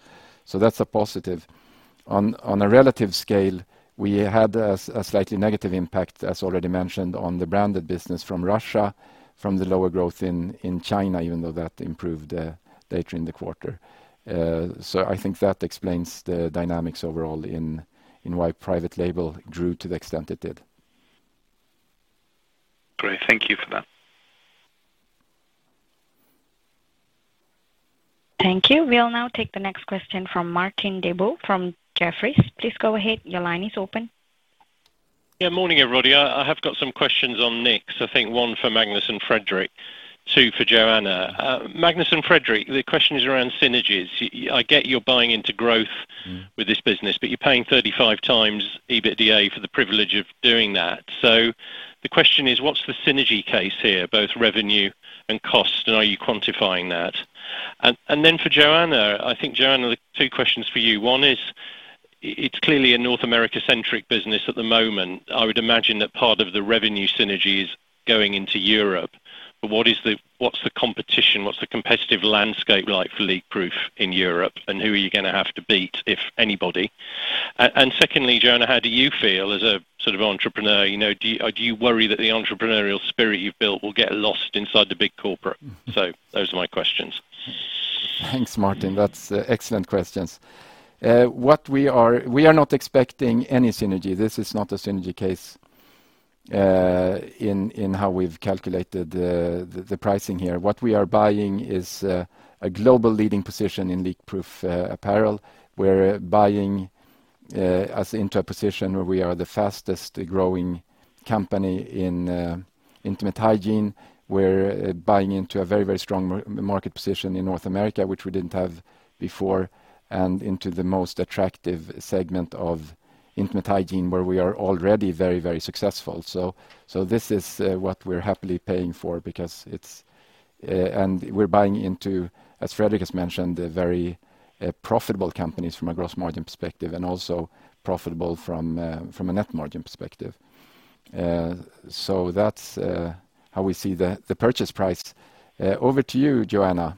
That's a positive. On a relative scale, we had a slightly negative impact, as already mentioned, on the branded business from Russia, from the lower growth in China, even though that improved later in the quarter. I think that explains the dynamics overall in why private label grew to the extent it did. Great. Thank you for that. Thank you. We'll now take the next question from Martin Deboo, from Jefferies. Please go ahead. Your line is open. Yeah, morning, everybody. I have got some questions on Knix. I think one for Magnus and Fredrik, two for Joanna. Magnus and Fredrik, the question is around synergies. Yeah, I get you're buying into growth. Mm-hmm. With this business, but you're paying 35x EBITDA for the privilege of doing that. The question is, what's the synergy case here, both revenue and cost? Are you quantifying that? And then for Joanna, I think, Joanna, the two questions for you. One is, it's clearly a North America-centric business at the moment. I would imagine that part of the revenue synergy is going into Europe. What is the competition, what's the competitive landscape like for leakproof in Europe? Who are you gonna have to beat, if anybody? And secondly, Joanna, how do you feel as a sort of entrepreneur? You know, or do you worry that the entrepreneurial spirit you've built will get lost inside the big corporate? Mm-hmm. Those are my questions. Thanks, Martin. That's excellent questions. We are not expecting any synergy. This is not a synergy case in how we've calculated the pricing here. What we are buying is a global leading position in leakproof apparel. We're buying into a position where we are the fastest growing company in intimate hygiene. We're buying into a very, very strong market position in North America, which we didn't have before, and into the most attractive segment of intimate hygiene where we are already very, very successful. This is what we're happily paying for because it's. We're buying into, as Fredrik has mentioned, a very profitable companies from a gross margin perspective and also profitable from a net margin perspective. That's how we see the purchase price. Over to you, Joanna.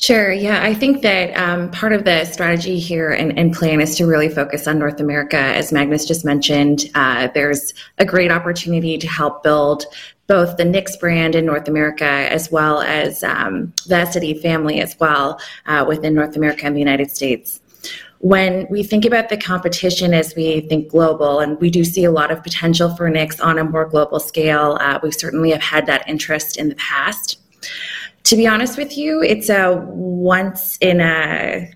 Sure. Yeah. I think that part of the strategy here and plan is to really focus on North America, as Magnus just mentioned. There's a great opportunity to help build both the Knix brand in North America as well as the Essity family as well within North America and the United States. When we think about the competition as we think global, we do see a lot of potential for Knix on a more global scale. We certainly have had that interest in the past. To be honest with you, it's a once in a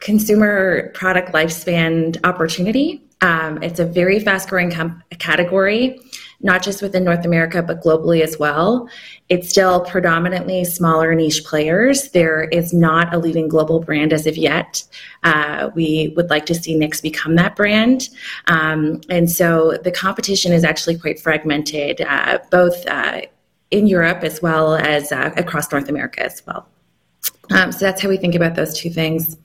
consumer product lifespan opportunity. It's a very fast-growing category, not just within North America, but globally as well. It's still predominantly smaller niche players. There is not a leading global brand as of yet. We would like to see Knix become that brand. The competition is actually quite fragmented, both in Europe as well as across North America as well. That's how we think about those two things.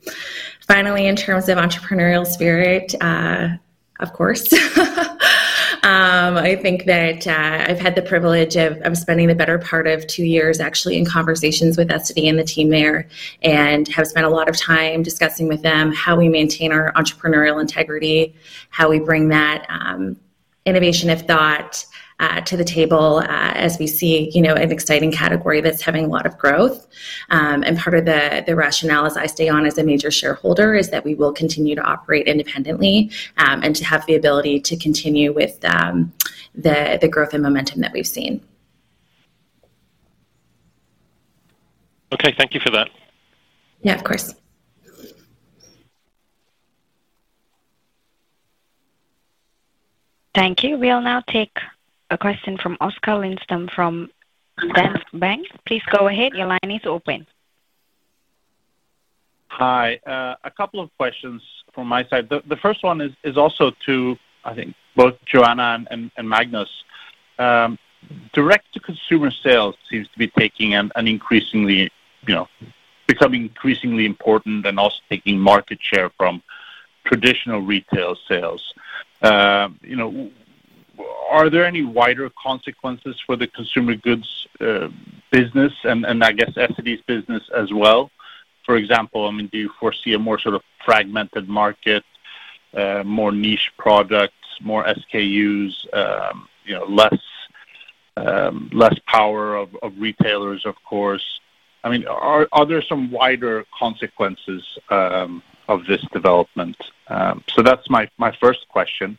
Finally, in terms of entrepreneurial spirit, of course. I think that I've had the privilege of spending the better part of two years actually in conversations with Essity and the team there, and have spent a lot of time discussing with them how we maintain our entrepreneurial integrity, how we bring that innovation of thought to the table, as we see, you know, an exciting category that's having a lot of growth. Part of the rationale as I stay on as a major shareholder is that we will continue to operate independently, and to have the ability to continue with the growth and momentum that we've seen. Okay. Thank you for that. Yeah, of course. Thank you. We'll now take a question from Oskar Lindström from Danske Bank. Please go ahead. Your line is open. Hi. A couple of questions from my side. The first one is also to, I think, both Joanna and Magnus. Direct to consumer sales seems to be taking an increasingly, you know, becoming increasingly important and also taking market share from traditional retail sales. You know, are there any wider consequences for the Consumer Goods business and I guess Essity's business as well? For example, I mean, do you foresee a more sort of fragmented market, more niche products, more SKUs, you know, less power of retailers, of course? I mean, are there some wider consequences of this development? That's my first question.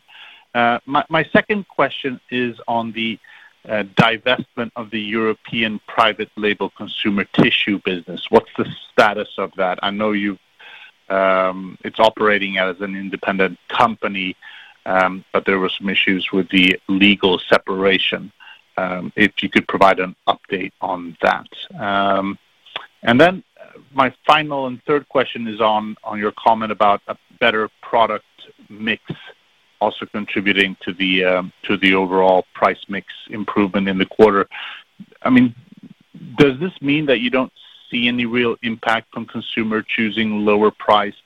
My second question is on the divestment of the European private label consumer tissue business. What's the status of that? I know you've, it's operating as an independent company, but there were some issues with the legal separation. If you could provide an update on that. My final and third question is on your comment about a better product mix also contributing to the overall price mix improvement in the quarter. I mean, does this mean that you don't see any real impact from consumer choosing lower priced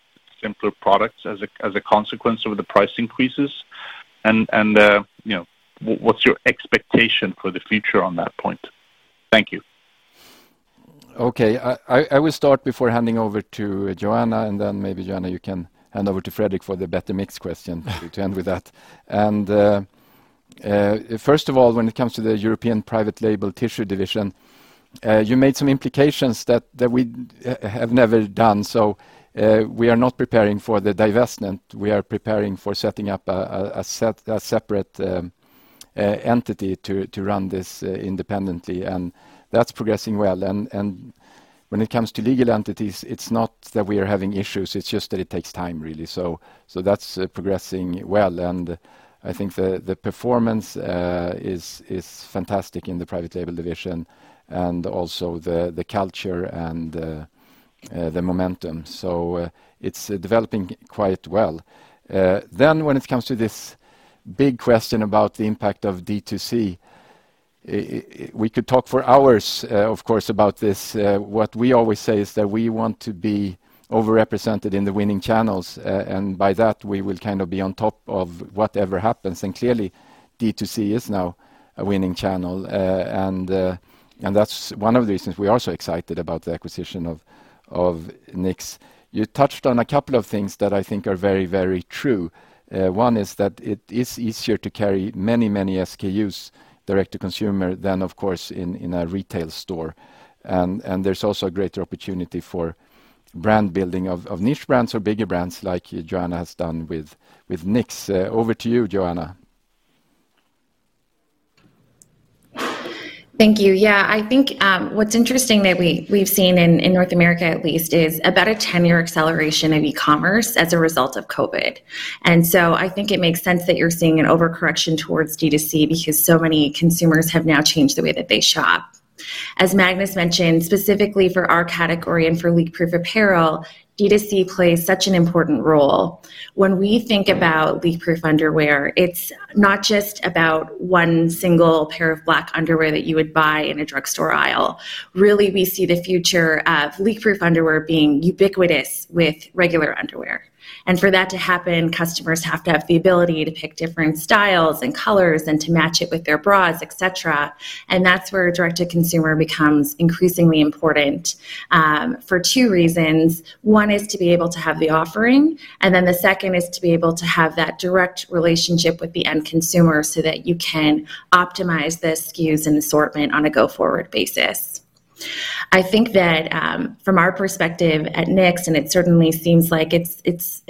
simpler products as a consequence of the price increases? You know, what's your expectation for the future on that point? Thank you. Okay. I will start before handing over to Joanna, and then maybe Joanna, you can hand over to Fredrik for the better mix question to end with that. First of all, when it comes to the European private label tissue division, you made some implications that we have never done. We are not preparing for the divestment. We are preparing for setting up a separate entity to run this independently, and that's progressing well. When it comes to legal entities, it's not that we are having issues, it's just that it takes time really. That's progressing well, and I think the performance is fantastic in the private label division and also the culture and the momentum. It's developing quite well. When it comes to this big question about the impact of D2C, we could talk for hours about this. What we always say is that we want to be over-represented in the winning channels, and by that, we will kind of be on top of whatever happens. Clearly, D2C is now a winning channel. That's one of the reasons we are so excited about the acquisition of Knix. You touched on a couple of things that I think are very, very true. One is that it is easier to carry many, many SKUs direct to consumer than, of course, in a retail store. There's also a greater opportunity for brand building of niche brands or bigger brands like Joanna has done with Knix. Over to you, Joanna. Thank you. Yeah, I think what's interesting that we've seen in North America at least is about a 10-year acceleration in e-commerce as a result of COVID. I think it makes sense that you're seeing an overcorrection towards D2C because so many consumers have now changed the way that they shop. As Magnus mentioned, specifically for our category and for leak-proof apparel, D2C plays such an important role. When we think about leak-proof underwear, it's not just about one single pair of black underwear that you would buy in a drugstore aisle. Really, we see the future of leak-proof underwear being ubiquitous with regular underwear. For that to happen, customers have to have the ability to pick different styles and colors and to match it with their bras, et cetera. That's where direct-to-consumer becomes increasingly important for two reasons. One, is to be able to have the offering, and then the second is to be able to have that direct relationship with the end consumer so that you can optimize the SKUs and assortment on a go-forward basis. I think that, from our perspective at Knix, and it certainly seems like it's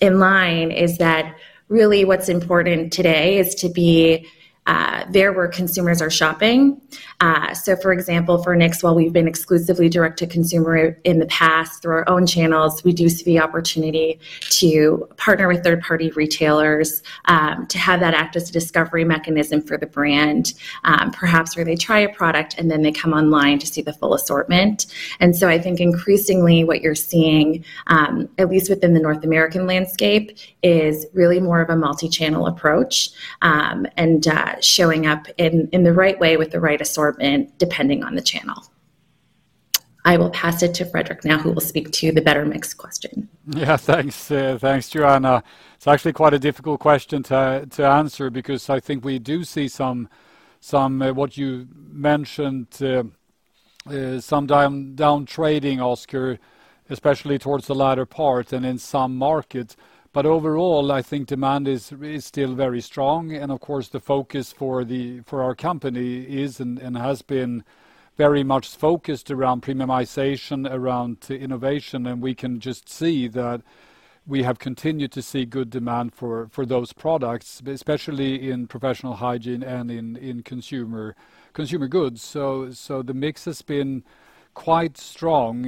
in line, is that really what's important today is to be there where consumers are shopping. For example, for Knix, while we've been exclusively direct-to-consumer in the past through our own channels, we do see opportunity to partner with third-party retailers, to have that act as a discovery mechanism for the brand, perhaps where they try a product and then they come online to see the full assortment. I think increasingly what you're seeing, at least within the North American landscape, is really more of a multi-channel approach, and showing up in the right way with the right assortment depending on the channel. I will pass it to Fredrik now, who will speak to the better mix question. Yeah. Thanks, Joanna. It's actually quite a difficult question to answer because I think we do see some what you mentioned, some down trading, Oskar, especially towards the latter part and in some markets. Overall, I think demand is still very strong. Of course, the focus for our company is and has been very much focused around premiumization, around innovation. We can just see that we have continued to see good demand for those products, especially in Professional Hygiene and in Consumer Goods. The mix has been quite strong.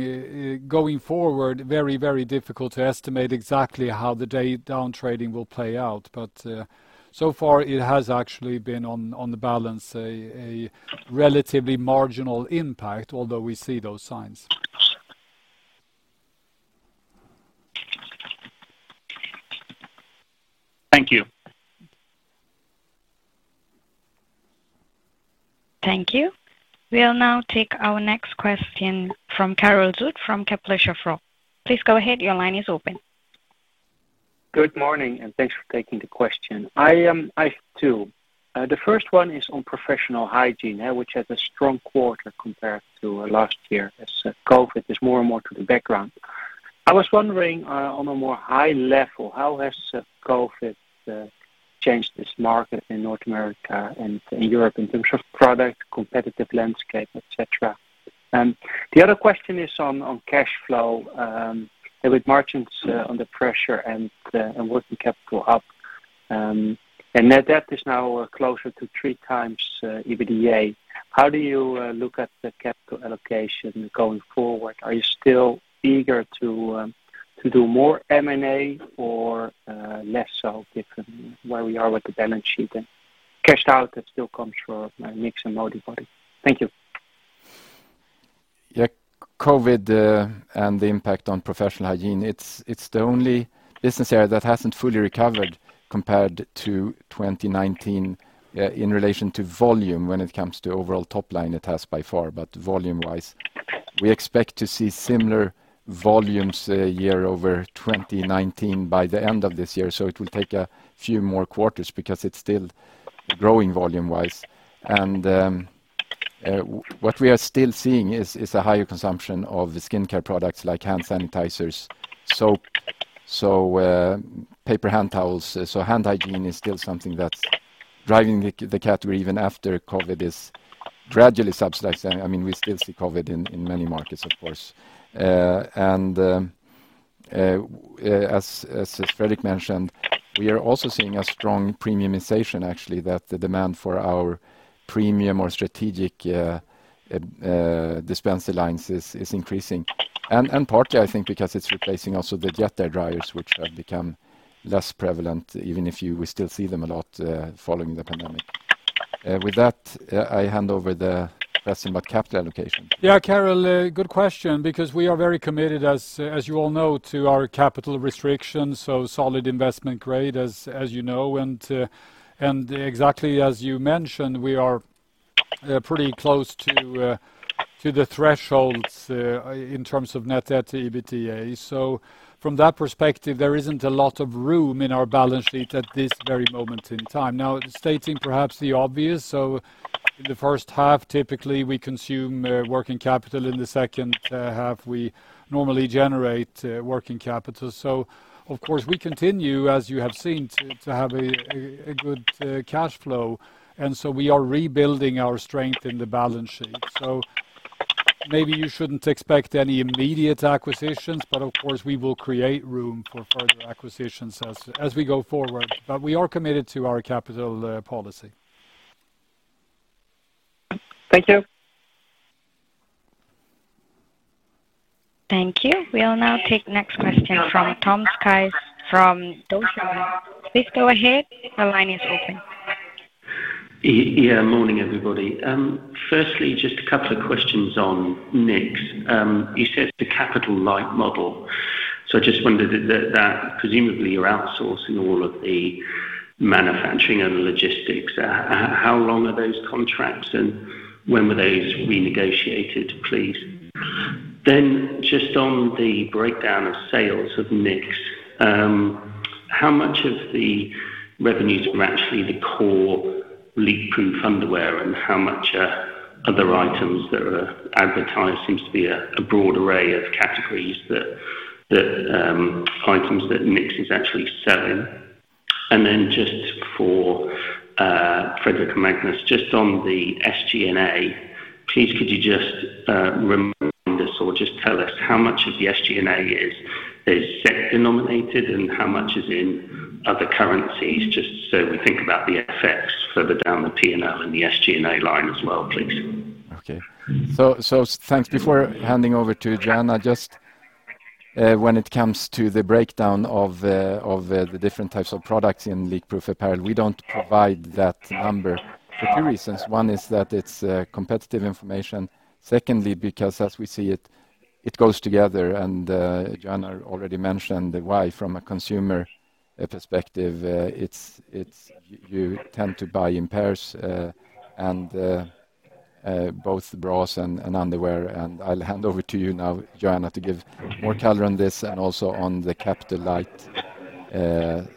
Going forward, very difficult to estimate exactly how the down trading will play out. So far it has actually been on balance a relatively marginal impact, although we see those signs. Thank you. Thank you. We'll now take our next question from Karel Zoete from Kepler Cheuvreux. Please go ahead. Your line is open. Good morning, and thanks for taking the question. I have two. The first one is on Professional Hygiene, which has a strong quarter compared to last year as COVID is more and more to the background. I was wondering, on a more high level, how has COVID changed this market in North America and in Europe in terms of product, competitive landscape, et cetera? The other question is on cash flow. With margins under pressure and working capital up, and net debt is now closer to 3x EBITDA, how do you look at the capital allocation going forward? Are you still eager to do more M&A or less so given where we are with the balance sheet and cash out that still comes from Knix and Modibodi? Thank you. Yeah. COVID and the impact on Professional Hygiene, it's the only business area that hasn't fully recovered compared to 2019 in relation to volume. When it comes to overall top line, it has by far. Volume-wise, we expect to see similar volumes year-over-2019 by the end of this year. It will take a few more quarters because it's still growing volume-wise. What we are still seeing is a higher consumption of skincare products like hand sanitizers, soap, paper hand towels. Hand hygiene is still something that's driving the category even after COVID is gradually subsides. I mean, we still see COVID in many markets, of course. As Fredrik mentioned, we are also seeing a strong premiumization, actually. That the demand for our premium or strategic dispenser lines is increasing. Partly, I think because it's also replacing the jet air dryers which have become less prevalent, even if we still see them a lot following the pandemic. With that, I hand over the question about capital allocation. Yeah, Karel, good question because we are very committed, as you all know, to our capital restrictions. Solid investment grade as you know. Exactly as you mentioned, we are pretty close to the thresholds in terms of net debt to EBITDA. From that perspective, there isn't a lot of room in our balance sheet at this very moment in time. Now, stating perhaps the obvious, in the first half, typically we consume working capital. In the second half, we normally generate working capital. Of course, we continue, as you have seen, to have a good cash flow. We are rebuilding our strength in the balance sheet. Maybe you shouldn't expect any immediate acquisitions, but of course, we will create room for further acquisitions as we go forward. We are committed to our capital policy. Thank you. Thank you. We'll now take next question from Tom Sykes from Deutsche Bank. Please go ahead. The line is open. Yeah, morning, everybody. Firstly, just a couple of questions on Knix. You said the capital light model. I just wondered if that presumably you're outsourcing all of the manufacturing and logistics. How long are those contracts, and when were those renegotiated, please? Just on the breakdown of sales of Knix, how much of the revenues are actually the core leak-proof underwear, and how much are other items that are advertised? Seems to be a broad array of categories that items that Knix is actually selling. Just for Fredrik and Magnus, just on the SG&A, please could you just remind us or just tell us how much of the SG&A is SEK denominated and how much is in other currencies, just so we think about the effects further down the P&L and the SG&A line as well, please. Okay. Thanks. Before handing over to Joanna, just when it comes to the breakdown of the different types of products in leakproof apparel, we don't provide that number for two reasons. One, is that it's competitive information. Secondly, because as we see it goes together and Joanna already mentioned why from a consumer perspective, it's you tend to buy in pairs and both bras and underwear. I'll hand over to you now, Joanna, to give more color on this and also on the capital light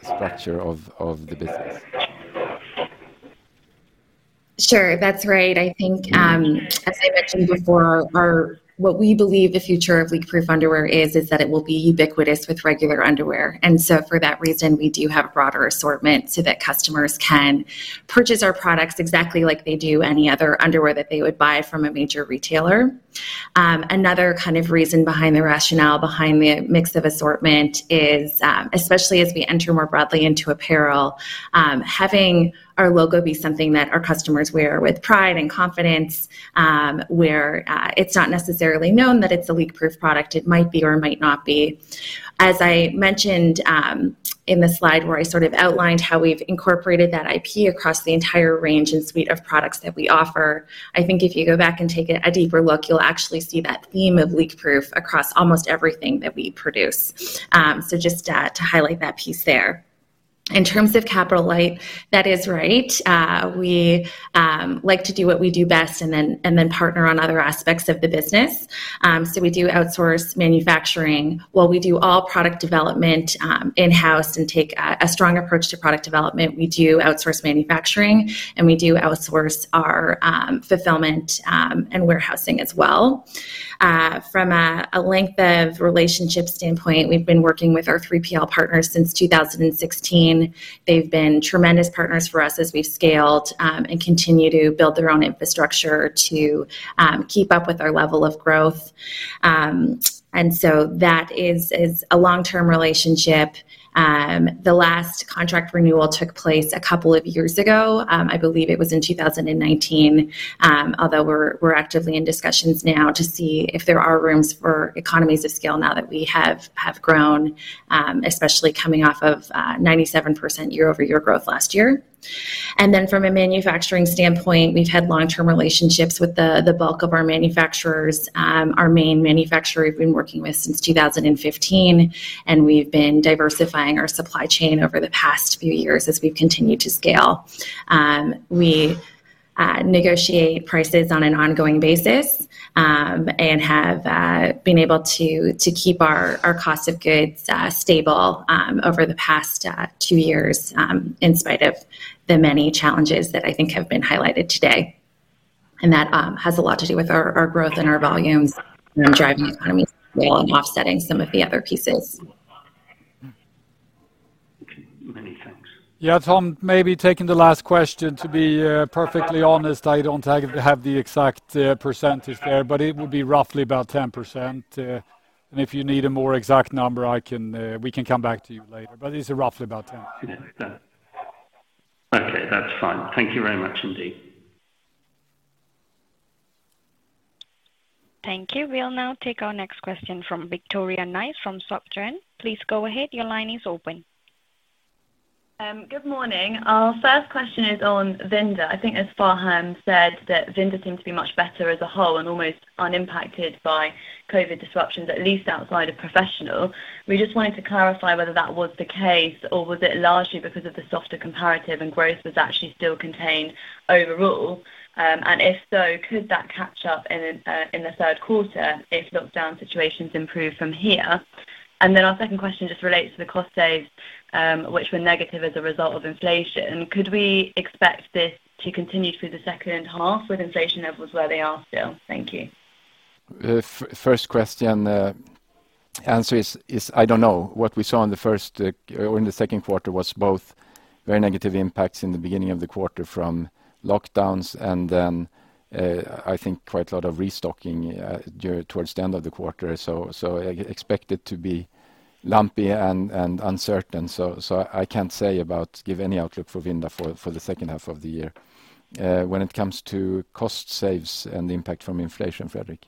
structure of the business. Sure. That's right. I think, as I mentioned before, what we believe the future of leak-proof underwear is that it will be ubiquitous with regular underwear. For that reason, we do have a broader assortment so that customers can purchase our products exactly like they do any other underwear that they would buy from a major retailer. Another kind of reason behind the rationale behind the mix of assortment is, especially as we enter more broadly into apparel, having our logo be something that our customers wear with pride and confidence, where it's not necessarily known that it's a leak-proof product. It might be or it might not be. As I mentioned in the slide where I sort of outlined how we've incorporated that IP across the entire range and suite of products that we offer, I think if you go back and take a deeper look, you'll actually see that theme of leak-proof across almost everything that we produce. Just to highlight that piece there. In terms of capital light, that is right. We like to do what we do best and then partner on other aspects of the business. We do outsource manufacturing. While we do all product development in-house and take a strong approach to product development, we do outsource manufacturing, and we do outsource our fulfillment and warehousing as well. From a length of relationship standpoint, we've been working with our 3PL partners since 2016. They've been tremendous partners for us as we've scaled and continue to build their own infrastructure to keep up with our level of growth. That is a long-term relationship. The last contract renewal took place a couple of years ago. I believe it was in 2019, although we're actively in discussions now to see if there are rooms for economies of scale now that we have grown, especially coming off of 97% year-over-year growth last year. Then from a manufacturing standpoint, we've had long-term relationships with the bulk of our manufacturers. Our main manufacturer we've been working with since 2015, and we've been diversifying our supply chain over the past few years as we've continued to scale. We negotiate prices on an ongoing basis, and have been able to keep our cost of goods stable over the past two years in spite of the many challenges that I think have been highlighted today. That has a lot to do with our growth and our volumes and driving economies while offsetting some of the other pieces. Okay, many thanks. Yeah, Tom, maybe taking the last question, to be perfectly honest, I don't have the exact percentage there, but it would be roughly about 10%, and if you need a more exact number, we can come back to you later, but it's roughly about 10%. Yeah. Okay, that's fine. Thank you very much indeed. Thank you. We'll now take our next question from Victoria Nice from Stifel. Please go ahead. Your line is open. Good morning. Our first question is on Vinda. I think as Faham said that Vinda seemed to be much better as a whole and almost unimpacted by COVID disruptions, at least outside of Professional Hygiene. We just wanted to clarify whether that was the case or was it largely because of the softer comparative and growth was actually still contained overall. If so, could that catch up in the third quarter if lockdown situations improve from here? Then our second question just relates to the cost savings, which were negative as a result of inflation. Could we expect this to continue through the second half with inflation levels where they are still? Thank you. First question, the answer is I don't know. What we saw in the first or in the second quarter was both very negative impacts in the beginning of the quarter from lockdowns and then I think quite a lot of restocking towards the end of the quarter. So expect it to be lumpy and uncertain. So I can't say or give any outlook for Vinda for the second half of the year. When it comes to cost savings and the impact from inflation, Fredrik?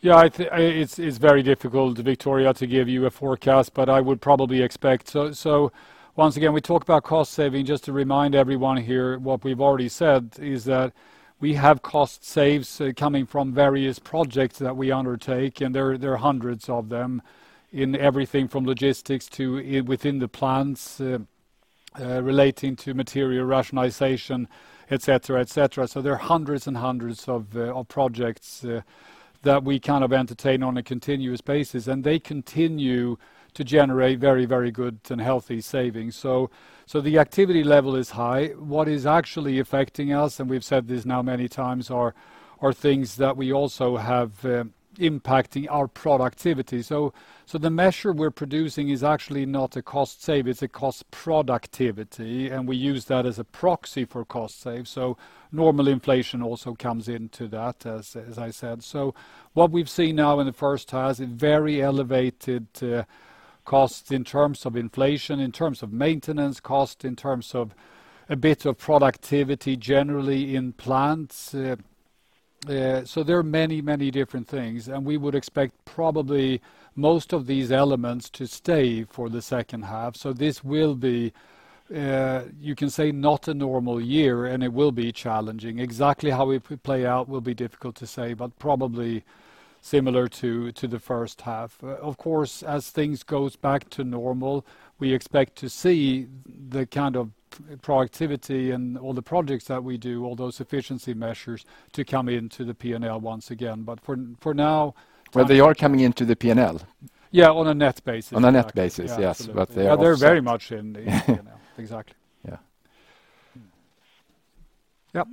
Yeah. It's very difficult, Victoria, to give you a forecast, but I would probably expect. Once again, we talk about cost saving. Just to remind everyone here, what we've already said is that we have cost saves coming from various projects that we undertake, and there are hundreds of them in everything from logistics to within the plants, relating to material rationalization, et cetera, et cetera. So there are hundreds and hundreds of projects that we kind of entertain on a continuous basis, and they continue to generate very, very good and healthy savings. The activity level is high. What is actually affecting us, and we've said this now many times, are things that we also have impacting our productivity. The measure we're producing is actually not a cost save; it's a cost productivity, and we use that as a proxy for cost save. Normal inflation also comes into that, as I said. What we've seen now in the first half is very elevated costs in terms of inflation, in terms of maintenance cost, in terms of a bit of productivity generally in plants. There are many different things, and we would expect probably most of these elements to stay for the second half. This will be, you can say, not a normal year, and it will be challenging. Exactly how it will play out will be difficult to say, but probably similar to the first half. Of course, as things goes back to normal, we expect to see the kind of productivity and all the projects that we do, all those efficiency measures to come into the P&L once again. But for now. Well, they are coming into the P&L. Yeah, on a net basis. On a net basis, yes. Yeah, absolutely. But they are. They're very much in the P&L. Exactly. Yeah. Yeah.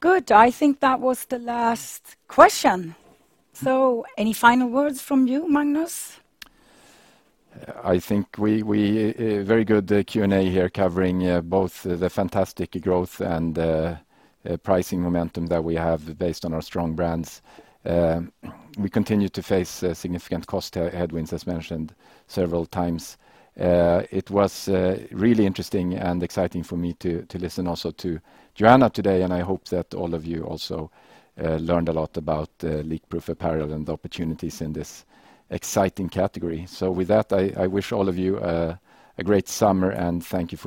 Good. I think that was the last question. Any final words from you, Magnus? I think a very good Q&A here covering both the fantastic growth and pricing momentum that we have based on our strong brands. We continue to face significant cost headwinds, as mentioned several times. It was really interesting and exciting for me to listen also to Joanna today, and I hope that all of you also learned a lot about leakproof apparel and the opportunities in this exciting category. With that, I wish all of you a great summer, and thank you for listening.